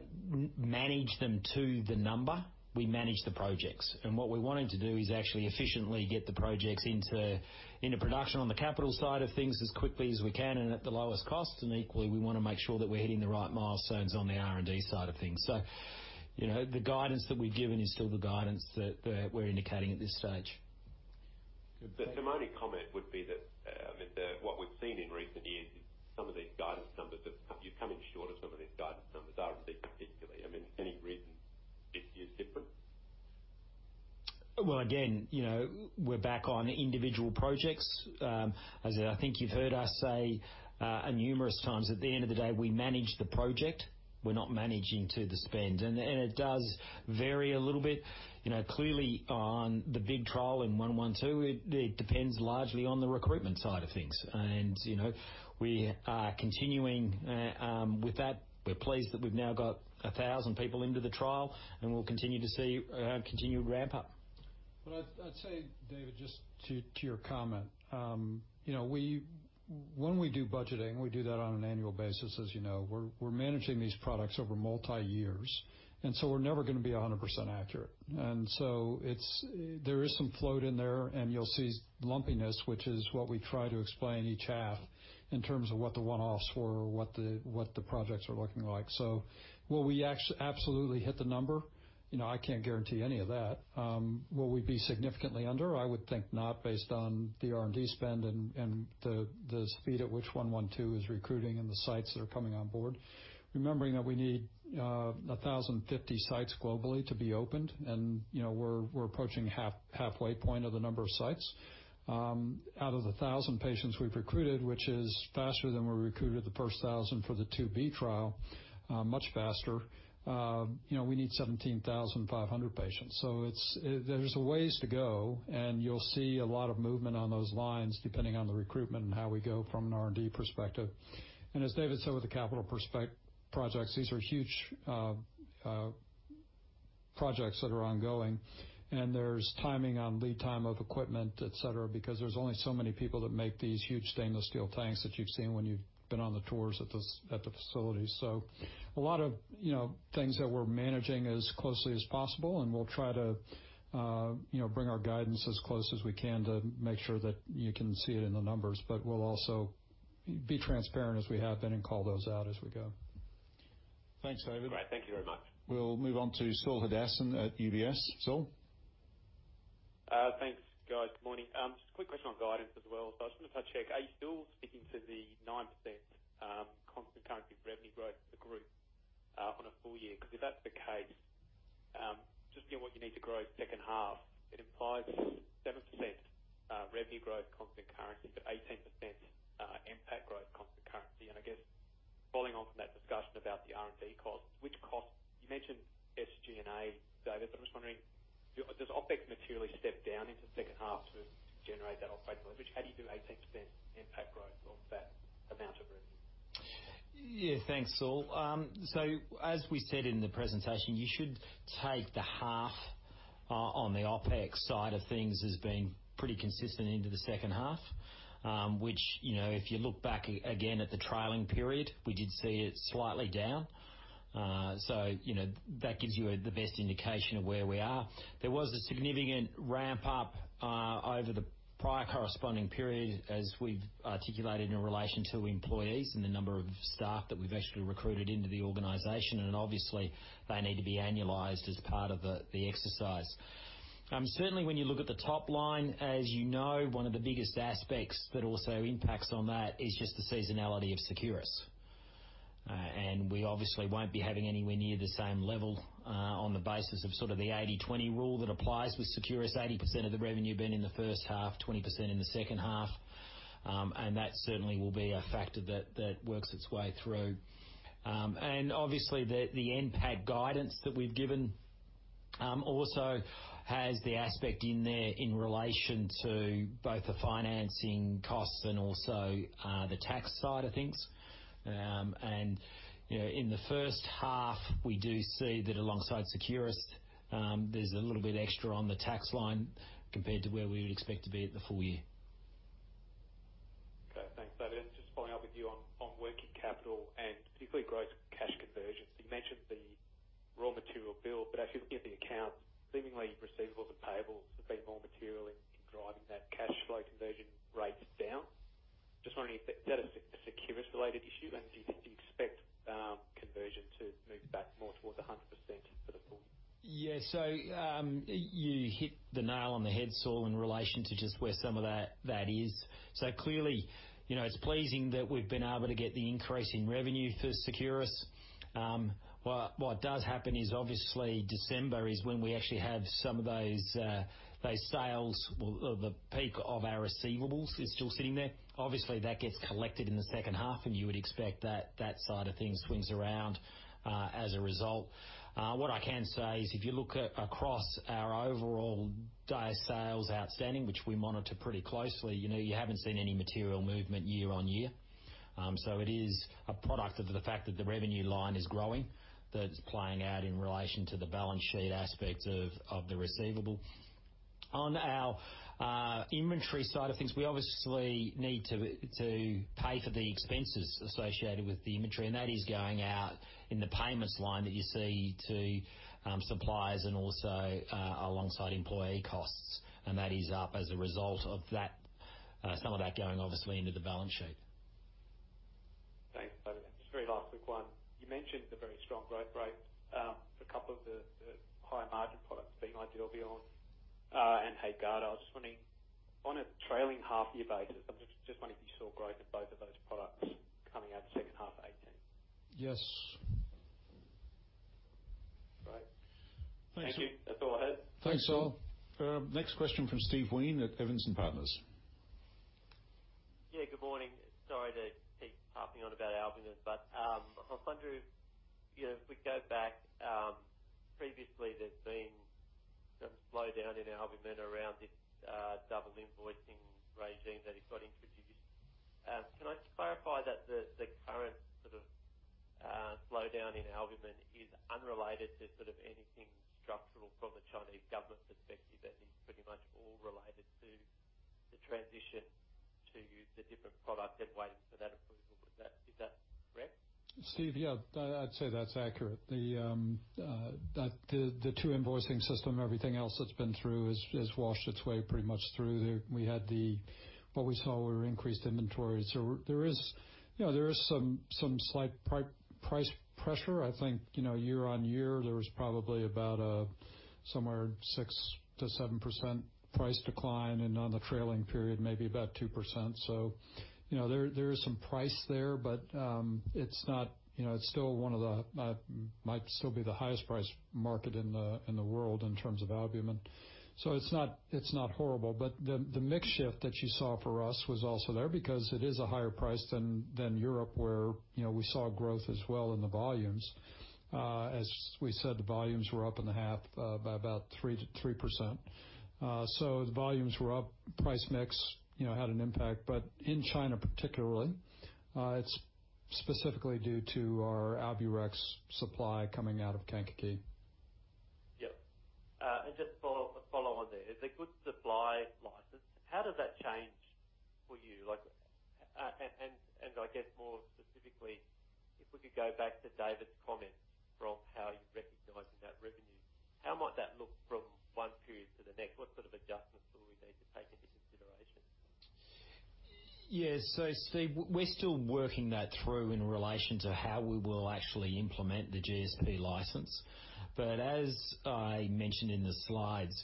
manage them to the number. We manage the projects. What we're wanting to do is actually efficiently get the projects into production on the capital side of things as quickly as we can and at the lowest cost. Equally, we want to make sure that we're hitting the right milestones on the R&D side of things. The guidance that we've given is still the guidance that we're indicating at this stage. The only comment would be that what we've seen in recent years is some of these guidance numbers, you're coming short of some of these guidance numbers, R&D particularly. Any reason this year's different? Again, we're back on individual projects. As I think you've heard us say numerous times, at the end of the day, we manage the project. We're not managing to the spend. It does vary a little bit. Clearly on the big trial in 112, it depends largely on the recruitment side of things. We are continuing with that. We're pleased that we've now got 1,000 people into the trial, and we'll continue to see continued ramp up. I'd say, David, just to your comment. When we do budgeting, we do that on an annual basis as you know. We're managing these products over multi years, we're never going to be 100% accurate. There is some float in there, and you'll see lumpiness, which is what we try to explain each half in terms of what the one-offs were or what the projects are looking like. Will we absolutely hit the number? I can't guarantee any of that. Will we be significantly under? I would think not based on the R&D spend and the speed at which 112 is recruiting and the sites that are coming on board. Remembering that we need 1,050 sites globally to be opened, and we're approaching halfway point of the number of sites. Out of the 1,000 patients we've recruited, which is faster than we recruited the first 1,000 for the phase II-B trial, much faster. We need 17,500 patients. There's a ways to go, and you'll see a lot of movement on those lines depending on the recruitment and how we go from an R&D perspective. As David said, with the capital projects, these are huge projects that are ongoing. There's timing on lead time of equipment, et cetera, because there's only so many people that make these huge stainless steel tanks that you've seen when you've been on the tours at the facilities. A lot of things that we're managing as closely as possible, and we'll try to bring our guidance as close as we can to make sure that you can see it in the numbers. We'll also be transparent as we have been and call those out as we go. Thanks, David. All right. Thank you very much. We'll move on to Saul Hadassin at UBS. Saul? Thanks, guys. Morning. I just want to double check, are you still sticking to the 9% constant currency revenue growth for the group on a full year? Because if that's the case, just given what you need to grow second half, it implies 7% revenue growth constant currency, but 18% NPAT growth constant currency. I guess following on from that discussion about the R&D costs, which cost You mentioned SG&A, David. I'm just wondering, does OpEx materially step down into the second half to generate that operational leverage? How do you do 18% NPAT growth off that amount of revenue? Yeah. Thanks, Saul. As we said in the presentation, you should take the half on the OpEx side of things as being pretty consistent into the second half. Which if you look back again at the trailing period, we did see it slightly down. That gives you the best indication of where we are. There was a significant ramp up over the prior corresponding period as we've articulated in relation to employees and the number of staff that we've actually recruited into the organization. Obviously they need to be annualized as part of the exercise. Certainly, when you look at the top line, as you know, one of the biggest aspects that also impacts on that is just the seasonality of Seqirus. We obviously won't be having anywhere near the same level on the basis of sort of the 80/20 rule that applies with Seqirus, 80% of the revenue being in the first half, 20% in the second half. That certainly will be a factor that works its way through. Obviously the NPAT guidance that we've given also has the aspect in there in relation to both the financing costs and also the tax side of things. In the first half, we do see that alongside Seqirus, there's a little bit extra on the tax line compared to where we would expect to be at the full year. Thanks. Just following up with you on working capital and particularly gross cash conversion. You mentioned the raw material build, but actually looking at the accounts, seemingly receivables and payables have been more material in driving that cash flow conversion rates down. Just wondering if that is a Seqirus related issue, and do you expect conversion to move back more towards 100% for the full year? Yeah. You hit the nail on the head, Saul, in relation to just where some of that is. Clearly, it's pleasing that we've been able to get the increase in revenue for Seqirus. What does happen is obviously December is when we actually have some of those sales, or the peak of our receivables is still sitting there. Obviously, that gets collected in the second half, and you would expect that side of things swings around, as a result. What I can say is if you look across our overall day sales outstanding, which we monitor pretty closely, you haven't seen any material movement year-on-year. It is a product of the fact that the revenue line is growing, that's playing out in relation to the balance sheet aspect of the receivable. On our inventory side of things, we obviously need to pay for the expenses associated with the inventory, that is going out in the payments line that you see to suppliers and also alongside employee costs. That is up as a result of some of that going obviously into the balance sheet. Thanks, David. Just very last quick one. You mentioned the very strong growth rates, a couple of the higher margin products being IDELVION, and HAEGARDA. I was just wondering on a trailing half year basis, if you saw growth in both of those products coming out second half 2018? Yes. Great. Thanks. Thank you. That's all I had. Thanks, Saul. Next question from Steve Wheen at Evans & Partners. Yeah, good morning. Sorry to keep harping on about albumin, I wonder if we go back, previously there's been some slowdown in albumin around this double invoicing regime that it got introduced. Can I clarify that the current sort of slowdown in albumin is unrelated to sort of anything structural from a Chinese government perspective, that is pretty much all related to the transition to the different product and waiting for that approval. Is that correct? Steve, yeah. I'd say that's accurate. The two invoicing system, everything else that's been through has washed its way pretty much through there. We had the, what we saw were increased inventories. There is some slight price pressure. I think year-on-year, there was probably about somewhere 6%-7% price decline, and on the trailing period, maybe about 2%. There is some price there, it might still be the highest price market in the world in terms of albumin. It's not horrible, the mix shift that you saw for us was also there because it is a higher price than Europe where we saw growth as well in the volumes. As we said, the volumes were up in the half by about 3%-3%. The volumes were up, price mix had an impact, but in China particularly, it is specifically due to our AlbuRx supply coming out of Kankakee. Just a follow on there. The Goods Supply license, how does that change for you? I guess more specifically, if we could go back to David's comments from how you are recognizing that revenue, how might that look from one period to the next? What sort of adjustments will we need to take into consideration? Steve, we are still working that through in relation to how we will actually implement the GSP license. As I mentioned in the slides,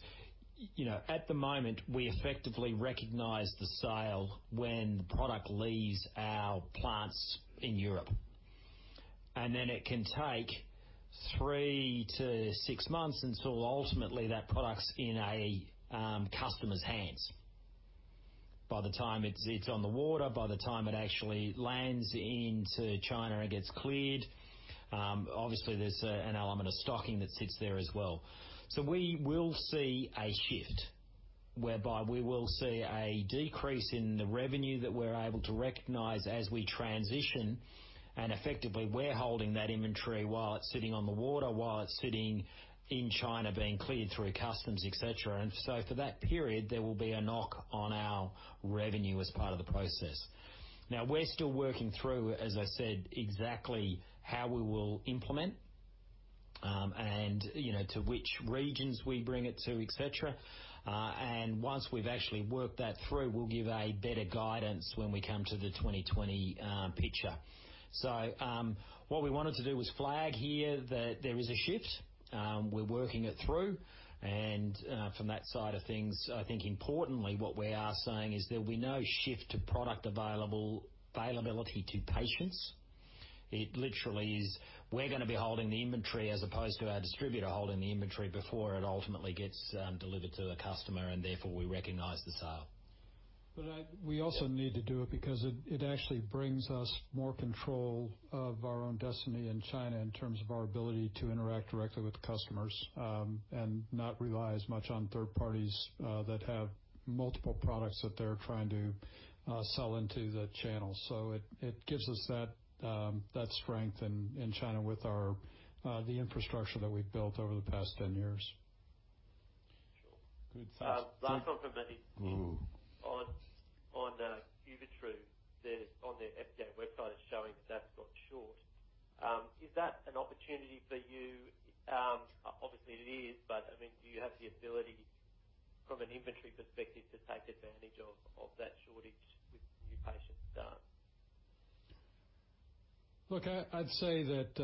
at the moment, we effectively recognize the sale when the product leaves our plants in Europe. Then it can take three to six months until ultimately that product is in a customer's hands. By the time it is on the water, by the time it actually lands into China and gets cleared, obviously there is an element of stocking that sits there as well. We will see a shift whereby we will see a decrease in the revenue that we are able to recognize as we transition, and effectively, we are holding that inventory while it is sitting on the water, while it is sitting in China being cleared through customs, et cetera. For that period, there will be a knock on our revenue as part of the process. Now we are still working through, as I said, exactly how we will implement, and to which regions we bring it to, et cetera. Once we have actually worked that through, we will give a better guidance when we come to the 2020 picture. What we wanted to do was flag here that there is a shift. We are working it through, and from that side of things, I think importantly, what we are saying is there will be no shift to product availability to patients. It literally is we are going to be holding the inventory as opposed to our distributor holding the inventory before it ultimately gets delivered to a customer, and therefore, we recognize the sale. We also need to do it because it actually brings us more control of our own destiny in China in terms of our ability to interact directly with customers, and not rely as much on third parties that have multiple products that they're trying to sell into the channel. It gives us that strength in China with the infrastructure that we've built over the past 10 years. Good. Thanks. Last one from me. On Cuvitru, on their FDA website, it's showing that that's got short. Is that an opportunity for you? Obviously, it is. Do you have the ability from an inventory perspective to take advantage of that shortage with new patient starts? Look, I'd say that,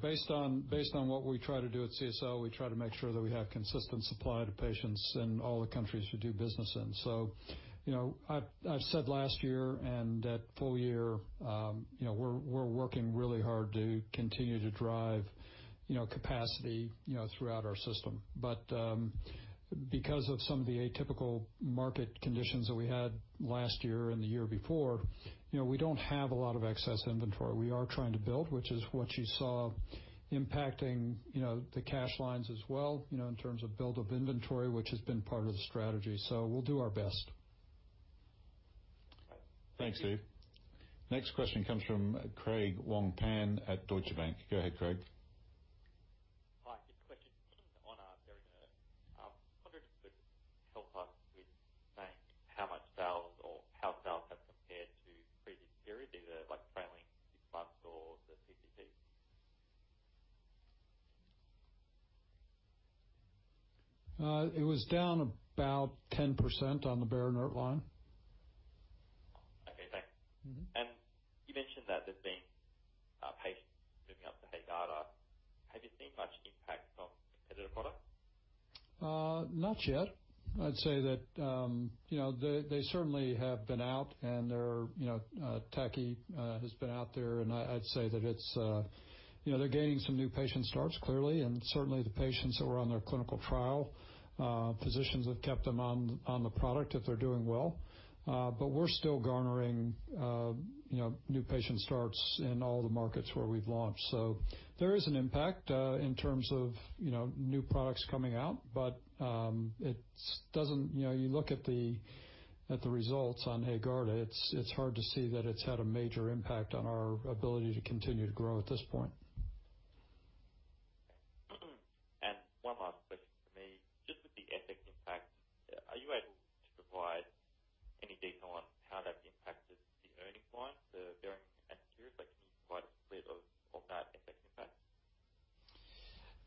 based on what we try to do at CSL, we try to make sure that we have consistent supply to patients in all the countries we do business in. I've said last year and that full year, we're working really hard to continue to drive capacity throughout our system. Because of some of the atypical market conditions that we had last year and the year before, we don't have a lot of excess inventory. We are trying to build, which is what you saw impacting the cash lines as well, in terms of build of inventory, which has been part of the strategy. We'll do our best. Thanks, Steve. Next question comes from Craig Wong-Pan at Deutsche Bank. Go ahead, Craig. Hi. Just a question on Behring. I wonder if you could help us with saying how much sales or how sales have compared to previous periods, either trailing six months or the pcp? It was down about 10% on the BERINERT line. Okay, thanks. You mentioned that there's been patients moving up to HAEGARDA. Have you seen much impact from competitor product? Not yet. I'd say that they certainly have been out, TAKHZYRO has been out there, I'd say that they're gaining some new patient starts, clearly, certainly the patients that were on their clinical trial, physicians have kept them on the product if they're doing well. We're still garnering new patient starts in all the markets where we've launched. There is an impact in terms of new products coming out. You look at the results on HAEGARDA, it's hard to see that it's had a major impact on our ability to continue to grow at this point.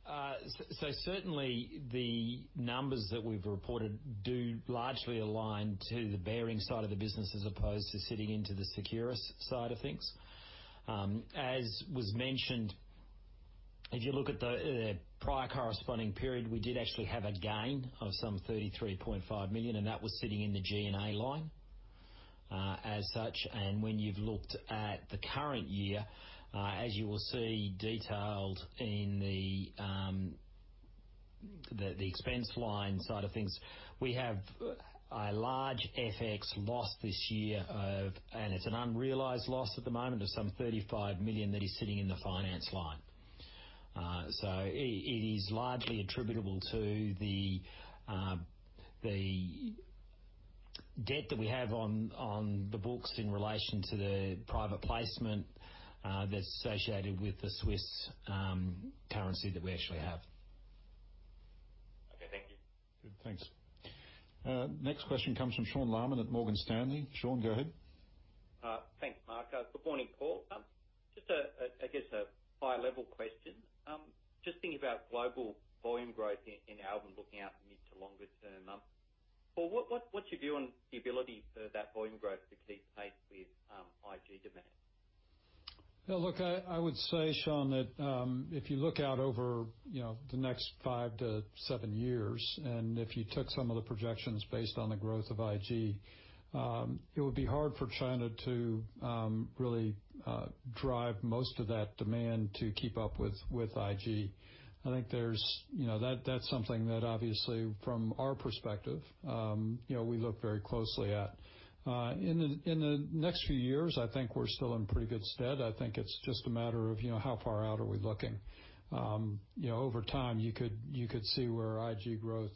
One last question from me. Just with the FX impact, are you able to provide any detail on how that impacted the earnings line, the Behring and Seqirus? Can you provide a split of that FX impact? Certainly, the numbers that we've reported do largely align to the Behring side of the business as opposed to sitting into the Seqirus side of things. As was mentioned, if you look at the prior corresponding period, we did actually have a gain of some $33.5 million, that was sitting in the G&A line. As such, when you've looked at the current year, as you will see detailed in the expense line side of things, we have a large FX loss this year of, it's an unrealized loss at the moment, of some $35 million that is sitting in the finance line. It is largely attributable to the debt that we have on the books in relation to the private placement that's associated with the Swiss currency that we actually have. Okay, thank you. Good. Thanks. Next question comes from Sean Laaman at Morgan Stanley. Sean, go ahead. Thanks, Mark. Good morning, Paul. I guess a high-level question. Thinking about global volume growth in albumin looking out mid to longer term. Paul, what's your view on the ability for that volume growth to keep pace with IG demand? Look, I would say, Sean, that if you look out over the next five to seven years, if you took some of the projections based on the growth of IG, it would be hard for China to really drive most of that demand to keep up with IG. I think that's something that obviously from our perspective, we look very closely at. In the next few years, I think we're still in pretty good stead. I think it's just a matter of how far out are we looking. Over time, you could see where IG growth,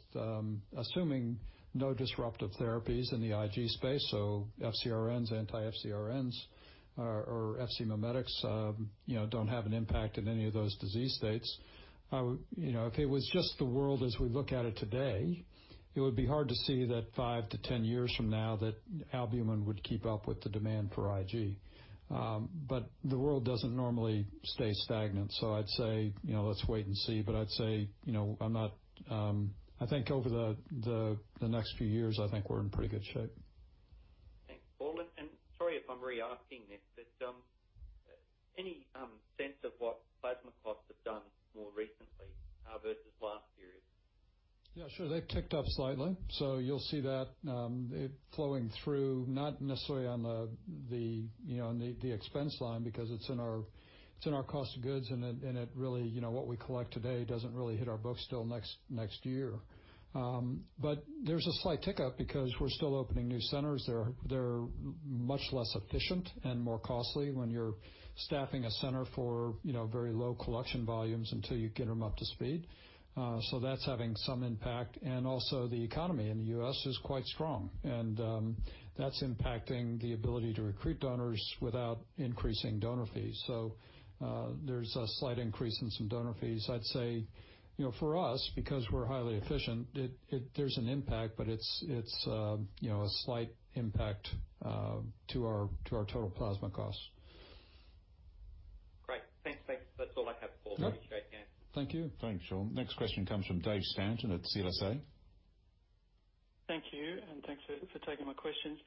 assuming no disruptive therapies in the IG space, FcRn, anti-FcRn or Fc mimetics don't have an impact in any of those disease states. If it was just the world as we look at it today, it would be hard to see that 5 to 10 years from now that albumin would keep up with the demand for IG. The world doesn't normally stay stagnant, I'd say let's wait and see. I'd say, I think over the next few years, I think we're in pretty good shape. Thanks, Paul. Sorry if I'm re-asking this, any sense of what plasma costs have done more recently versus last period? Yeah, sure. They've ticked up slightly. You'll see that flowing through, not necessarily on the expense line, because it's in our cost of goods, and what we collect today doesn't really hit our books till next year. There's a slight tick up because we're still opening new centers. They're much less efficient and more costly when you're staffing a center for very low collection volumes until you get them up to speed. That's having some impact. Also the economy in the U.S. is quite strong, that's impacting the ability to recruit donors without increasing donor fees. There's a slight increase in some donor fees. I'd say for us, because we're highly efficient, there's an impact, but it's a slight impact to our total plasma costs. Great. Thanks, mate. That's all I have, Paul. Appreciate you. Thank you. Thanks, Sean. Next question comes from Dave Stanton at CLSA. Thank you. Thanks for taking my questions.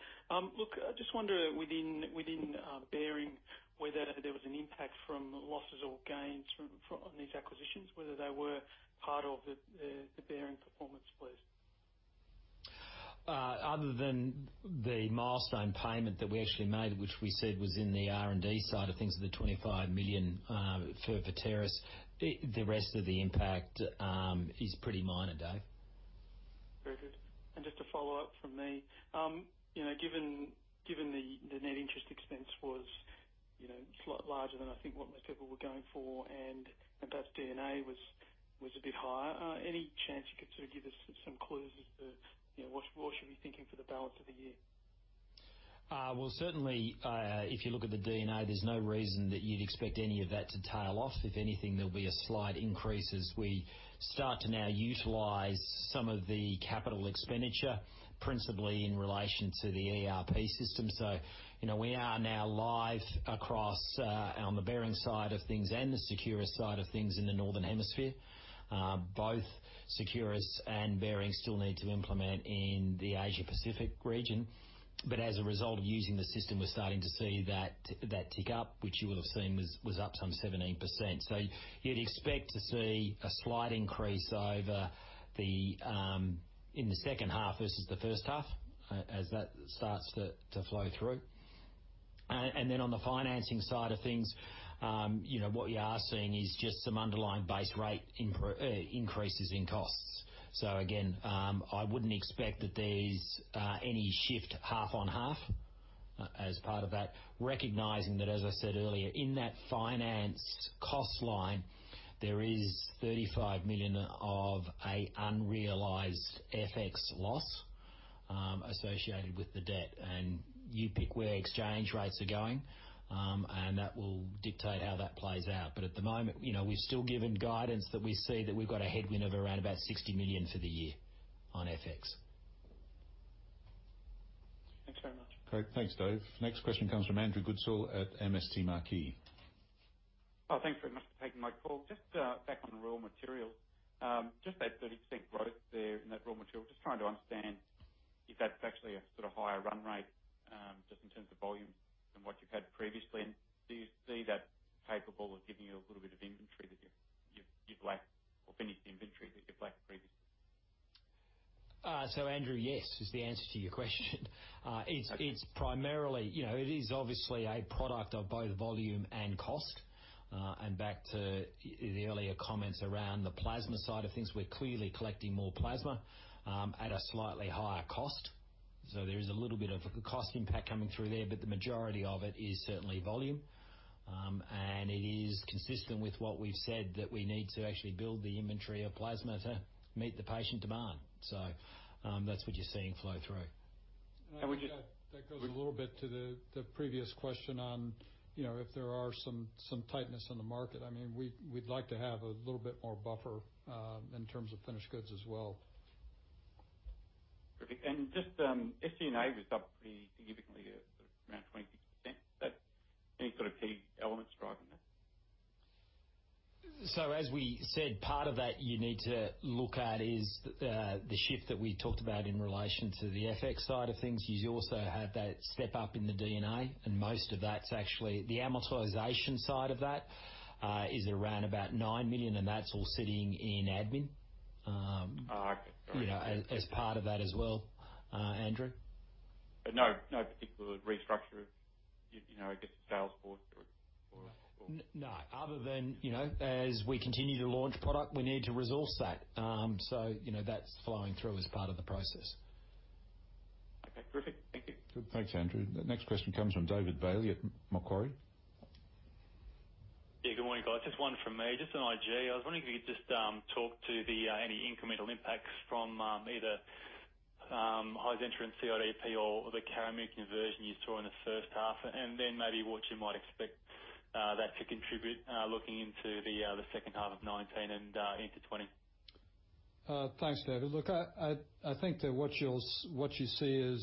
Look, I just wonder within Behring, whether there was an impact from losses or gains on these acquisitions, whether they were part of the Behring performance, please. Other than the milestone payment that we actually made, which we said was in the R&D side of things, the $25 million for Vitaeris, the rest of the impact is pretty minor, Dave. Very good. Just to follow up from me. Given the net interest expense was a lot larger than I think what most people were going for, and thus D&A was a bit higher. Any chance you could give us some clues as to what should we be thinking for the balance of the year? Certainly, if you look at the D&A, there's no reason that you'd expect any of that to tail off. If anything, there'll be a slight increase as we start to now utilize some of the capital expenditure, principally in relation to the ERP system. We are now live across on the Behring side of things and the Seqirus side of things in the Northern Hemisphere. Both Seqirus and Behring still need to implement in the Asia-Pacific region. As a result of using the system, we're starting to see that tick up, which you will have seen was up some 17%. You'd expect to see a slight increase in the second half versus the first half, as that starts to flow through. On the financing side of things, what you are seeing is just some underlying base rate increases in costs. Again, I wouldn't expect that there's any shift half on half as part of that. Recognizing that, as I said earlier, in that finance cost line, there is $35 million of an unrealized FX loss associated with the debt. You pick where exchange rates are going, and that will dictate how that plays out. At the moment, we've still given guidance that we see that we've got a headwind of around about $60 million for the year on FX. Thanks very much. Great. Thanks, Dave. Next question comes from Andrew Goodsall at MST Marquee. Thanks very much for taking my call. Back on raw materials. That 30% growth there in that raw material, trying to understand if that's actually a sort of higher run rate, in terms of volume from what you've had previously. Do you see that capable of giving you a little bit of inventory that you've lacked or finished inventory that you've lacked previously? Andrew, yes is the answer to your question. Okay. It is obviously a product of both volume and cost. Back to the earlier comments around the plasma side of things, we're clearly collecting more plasma at a slightly higher cost. There is a little bit of cost impact coming through there, but the majority of it is certainly volume. It is consistent with what we've said that we need to actually build the inventory of plasma to meet the patient demand. That's what you're seeing flow through. We just- That goes a little bit to the previous question on if there are some tightness in the market. We would like to have a little bit more buffer in terms of finished goods as well. Perfect. Just, SG&A was up pretty significantly at around 26%. Any sort of key elements driving that? As we said, part of that you need to look at is the shift that we talked about in relation to the FX side of things. You also have that step up in the D&A, and most of that's actually the amortization side of that is around about $9 million, and that's all sitting in admin- Okay. ...as part of that as well, Andrew. No particular restructure, I guess the sales force or? No. Other than, as we continue to launch product, we need to resource that. That's flowing through as part of the process. Okay. Terrific. Thank you. Good. Thanks, Andrew. The next question comes from David Bailey at Macquarie. Yeah, good morning, guys. Just one from me, just on IG. I was wondering if you could just talk to any incremental impacts from either HIZENTRA and CIDP or the CARIMUNE conversion you saw in the first half, and then maybe what you might expect that to contribute looking into the second half of 2019 and into 2020. Thanks, David. Look, I think that what you see is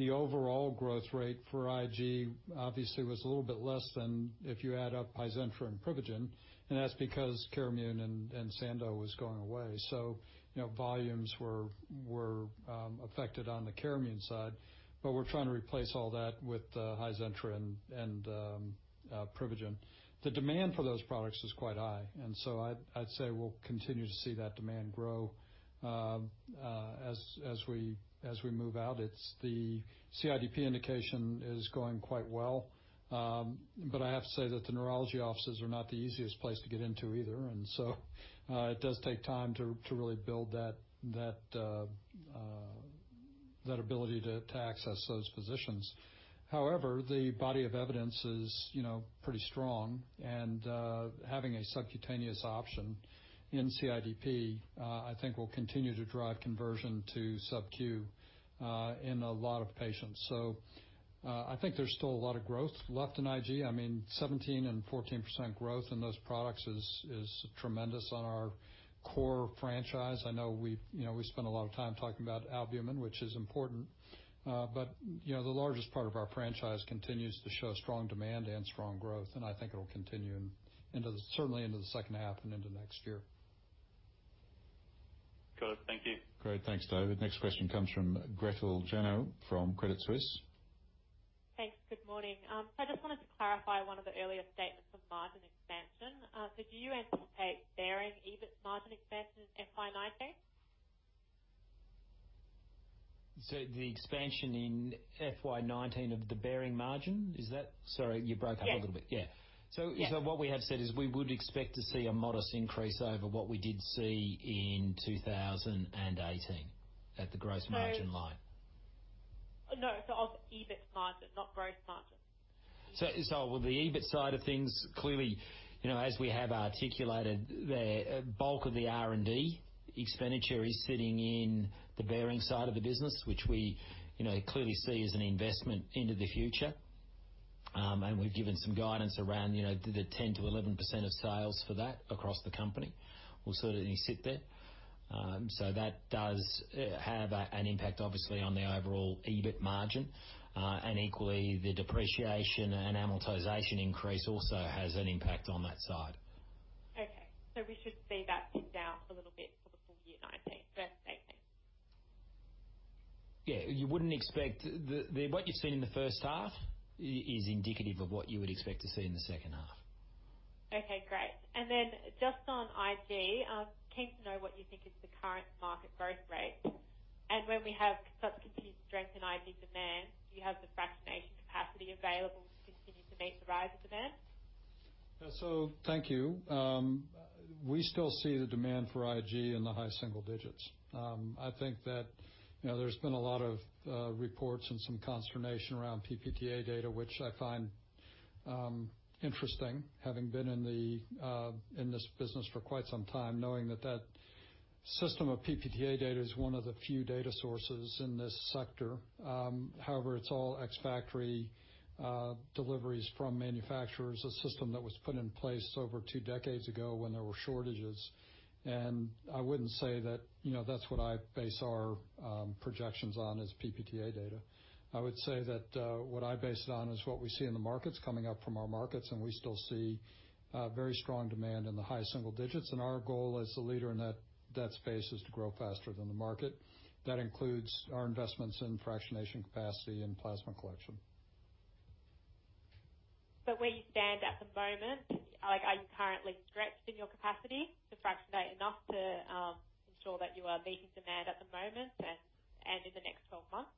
the overall growth rate for IG obviously was a little bit less than if you add up HIZENTRA and PRIVIGEN, and that's because CARIMUNE and Sandoglobulin was going away. Volumes were affected on the CARIMUNE side. We're trying to replace all that with HIZENTRA and PRIVIGEN. The demand for those products is quite high, and so I'd say we'll continue to see that demand grow as we move out. The CIDP indication is going quite well. I have to say that the neurology offices are not the easiest place to get into either. It does take time to really build that ability to access those physicians. However, the body of evidence is pretty strong, and having a subcutaneous option in CIDP, I think will continue to drive conversion to sub-Q in a lot of patients. I think there's still a lot of growth left in IG. I mean, 17% and 14% growth in those products is tremendous on our core franchise. I know we spend a lot of time talking about albumin, which is important. The largest part of our franchise continues to show strong demand and strong growth, and I think it'll continue certainly into the second half and into next year. Good. Thank you. Great. Thanks, David. Next question comes from Gretel Janu from Credit Suisse. Thanks. Good morning. I just wanted to clarify one of the earlier statements on margin expansion. Do you anticipate Behring EBIT margin expansion in FY 2019? The expansion in FY 2019 of the Behring margin, is that? Sorry, you broke up a little bit. Yes. Yeah. What we have said is we would expect to see a modest increase over what we did see in 2018 at the gross margin line. No, on EBIT margin, not gross margin. Well, the EBIT side of things, clearly, as we have articulated there, bulk of the R&D expenditure is sitting in the Behring side of the business, which we clearly see as an investment into the future. We've given some guidance around the 10%-11% of sales for that across the company will certainly sit there. That does have an impact, obviously, on the overall EBIT margin. Equally, the depreciation and amortization increase also has an impact on that side. Okay. We should see that pinned down a little bit for the full year 2019. Great. Thanks. Yeah. What you've seen in the first half is indicative of what you would expect to see in the second half. Okay, great. Then just on IG, keen to know what you think is the current market growth rate. When we have such continued strength in IG demand, do you have the fractionation capacity available to continue to meet the rise of demand? Thank you. We still see the demand for IG in the high single digits. I think that there's been a lot of reports and some consternation around PPTA data, which I find interesting, having been in this business for quite some time, knowing that system of PPTA data is one of the few data sources in this sector. However, it's all ex factory deliveries from manufacturers, a system that was put in place over two decades ago when there were shortages. I wouldn't say that that's what I base our projections on is PPTA data. I would say that what I base it on is what we see in the markets coming up from our markets, and we still see very strong demand in the high single digits. Our goal as the leader in that space is to grow faster than the market. That includes our investments in fractionation capacity and plasma collection. Where you stand at the moment, are you currently stretched in your capacity to fractionate enough to ensure that you are meeting demand at the moment and in the next 12 months?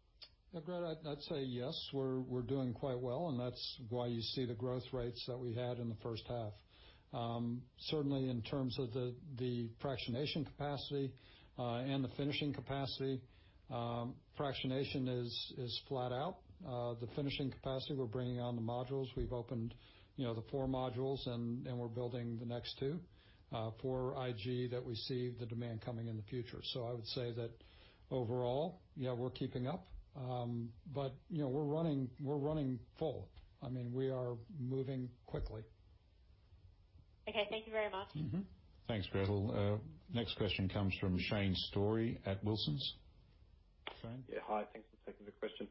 Yeah, Gretel, I'd say yes, we're doing quite well, and that's why you see the growth rates that we had in the first half. Certainly, in terms of the fractionation capacity and the finishing capacity, fractionation is flat out. The finishing capacity, we're bringing on the modules. We've opened the four modules, and we're building the next two for IG that we see the demand coming in the future. I would say that overall, yeah, we're keeping up. We're running full. We are moving quickly. Okay. Thank you very much. Thanks, Gretel. Next question comes from Shane Storey at Wilsons. Shane? Yeah. Hi. Thanks for taking the question.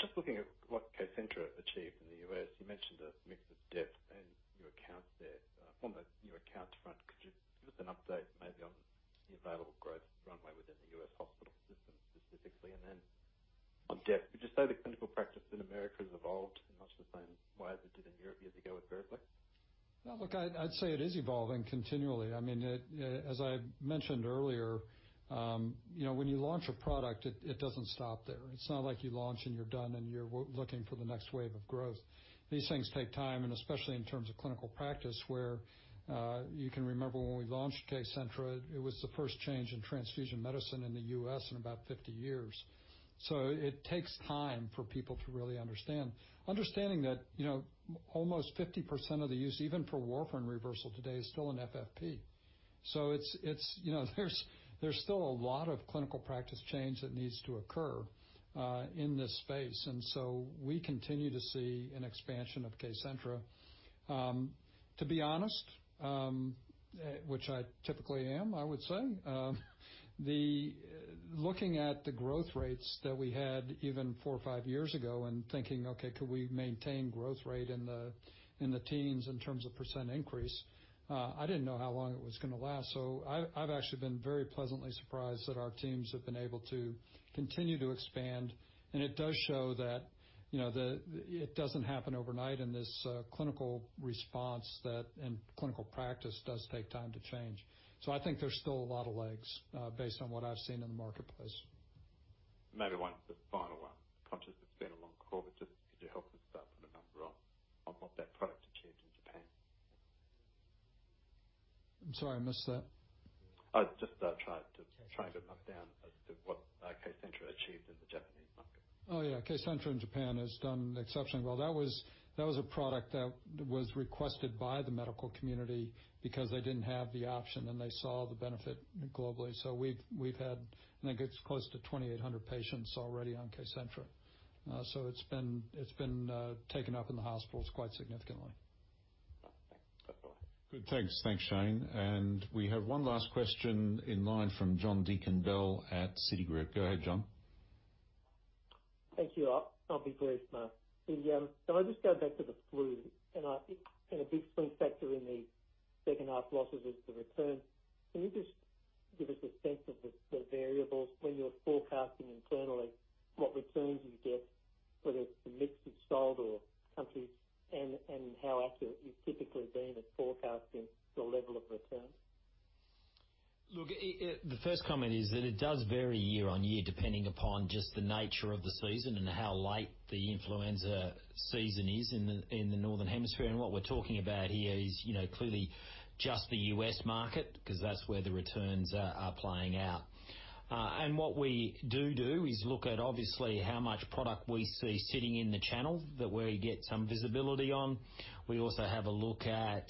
Just looking at what KCENTRA achieved in the U.S., you mentioned a mix of depth and new accounts there. On the new accounts front, could you give us an update maybe on the available growth runway within the U.S. hospital system specifically? On depth, would you say the clinical practice in America has evolved in much the same way as it did in Europe years ago with Beriplex? Look, I'd say it is evolving continually. As I mentioned earlier, when you launch a product, it doesn't stop there. It's not like you launch and you're done, and you're looking for the next wave of growth. These things take time, and especially in terms of clinical practice, where you can remember when we launched KCENTRA, it was the first change in transfusion medicine in the U.S. in about 50 years. It takes time for people to really understand. Understanding that almost 50% of the use, even for warfarin reversal today, is still in FFP. There's still a lot of clinical practice change that needs to occur in this space. We continue to see an expansion of KCENTRA. To be honest, which I typically am, I would say, looking at the growth rates that we had even four or five years ago and thinking, okay, could we maintain growth rate in the teens in terms of percent increase? I didn't know how long it was going to last. I've actually been very pleasantly surprised that our teams have been able to continue to expand, and it does show that it doesn't happen overnight and this clinical response and clinical practice does take time to change. I think there's still a lot of legs based on what I've seen in the marketplace. Maybe one final one. Conscious it's been a long call, just could you help us put a number on what that product achieved in Japan? I'm sorry, I missed that. I was just trying to knock down as to what KCENTRA achieved in the Japanese market. Oh, yeah. KCENTRA in Japan has done exceptionally well. That was a product that was requested by the medical community because they didn't have the option, and they saw the benefit globally. We've had, I think it's close to 2,800 patients already on KCENTRA. It's been taken up in the hospitals quite significantly. Thanks. That's all. Good. Thanks, Shane. We have one last question in line from John Deakin-Bell at Citigroup. Go ahead, John. Thank you. I'll be very smart. Can I just go back to the flu? A big swing factor in the second half losses is the return. Can you just give us a sense of the variables when you're forecasting internally, what returns you get, whether it's the mix of sold or countries, and how accurate you've typically been at forecasting the level of returns? Look, the first comment is that it does vary year on year, depending upon just the nature of the season and how late the influenza season is in the northern hemisphere. What we're talking about here is clearly just the U.S. market, because that's where the returns are playing out. What we do is look at obviously how much product we see sitting in the channel that we get some visibility on. We also have a look at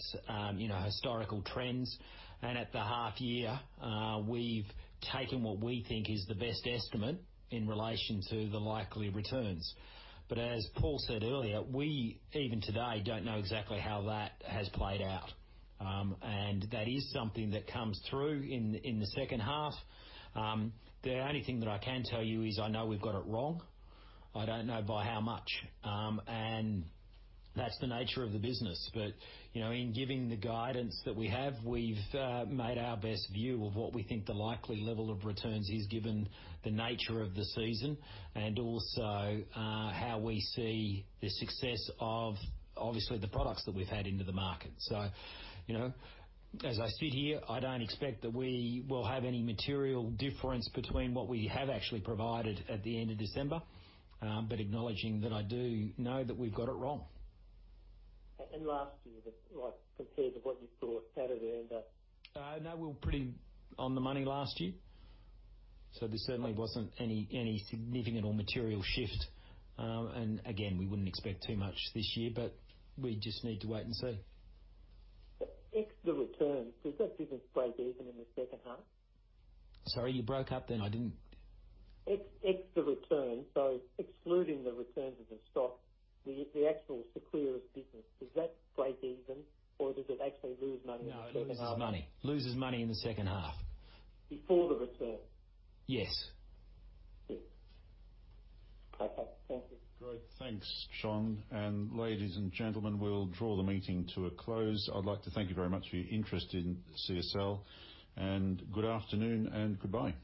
historical trends. At the half year, we've taken what we think is the best estimate in relation to the likely returns. As Paul said earlier, we, even today, don't know exactly how that has played out. That is something that comes through in the second half. The only thing that I can tell you is I know we've got it wrong. I don't know by how much. That's the nature of the business. In giving the guidance that we have, we've made our best view of what we think the likely level of returns is given the nature of the season, and also how we see the success of, obviously, the products that we've had into the market. As I sit here, I don't expect that we will have any material difference between what we have actually provided at the end of December, acknowledging that I do know that we've got it wrong. Last year, compared to what you thought earlier. No, we were pretty on the money last year. There certainly wasn't any significant or material shift. Again, we wouldn't expect too much this year, but we just need to wait and see. Ex the returns, does that business break even in the second half? Sorry, you broke up then. I didn't. Ex the returns, excluding the returns of the stock, the actual Seqirus business, does that break even or does it actually lose money in the second half? No, it loses money. Loses money in the second half. Before the return? Yes. Okay. Thank you. Great. Thanks, John. Ladies and gentlemen, we'll draw the meeting to a close. I'd like to thank you very much for your interest in CSL, and good afternoon and goodbye.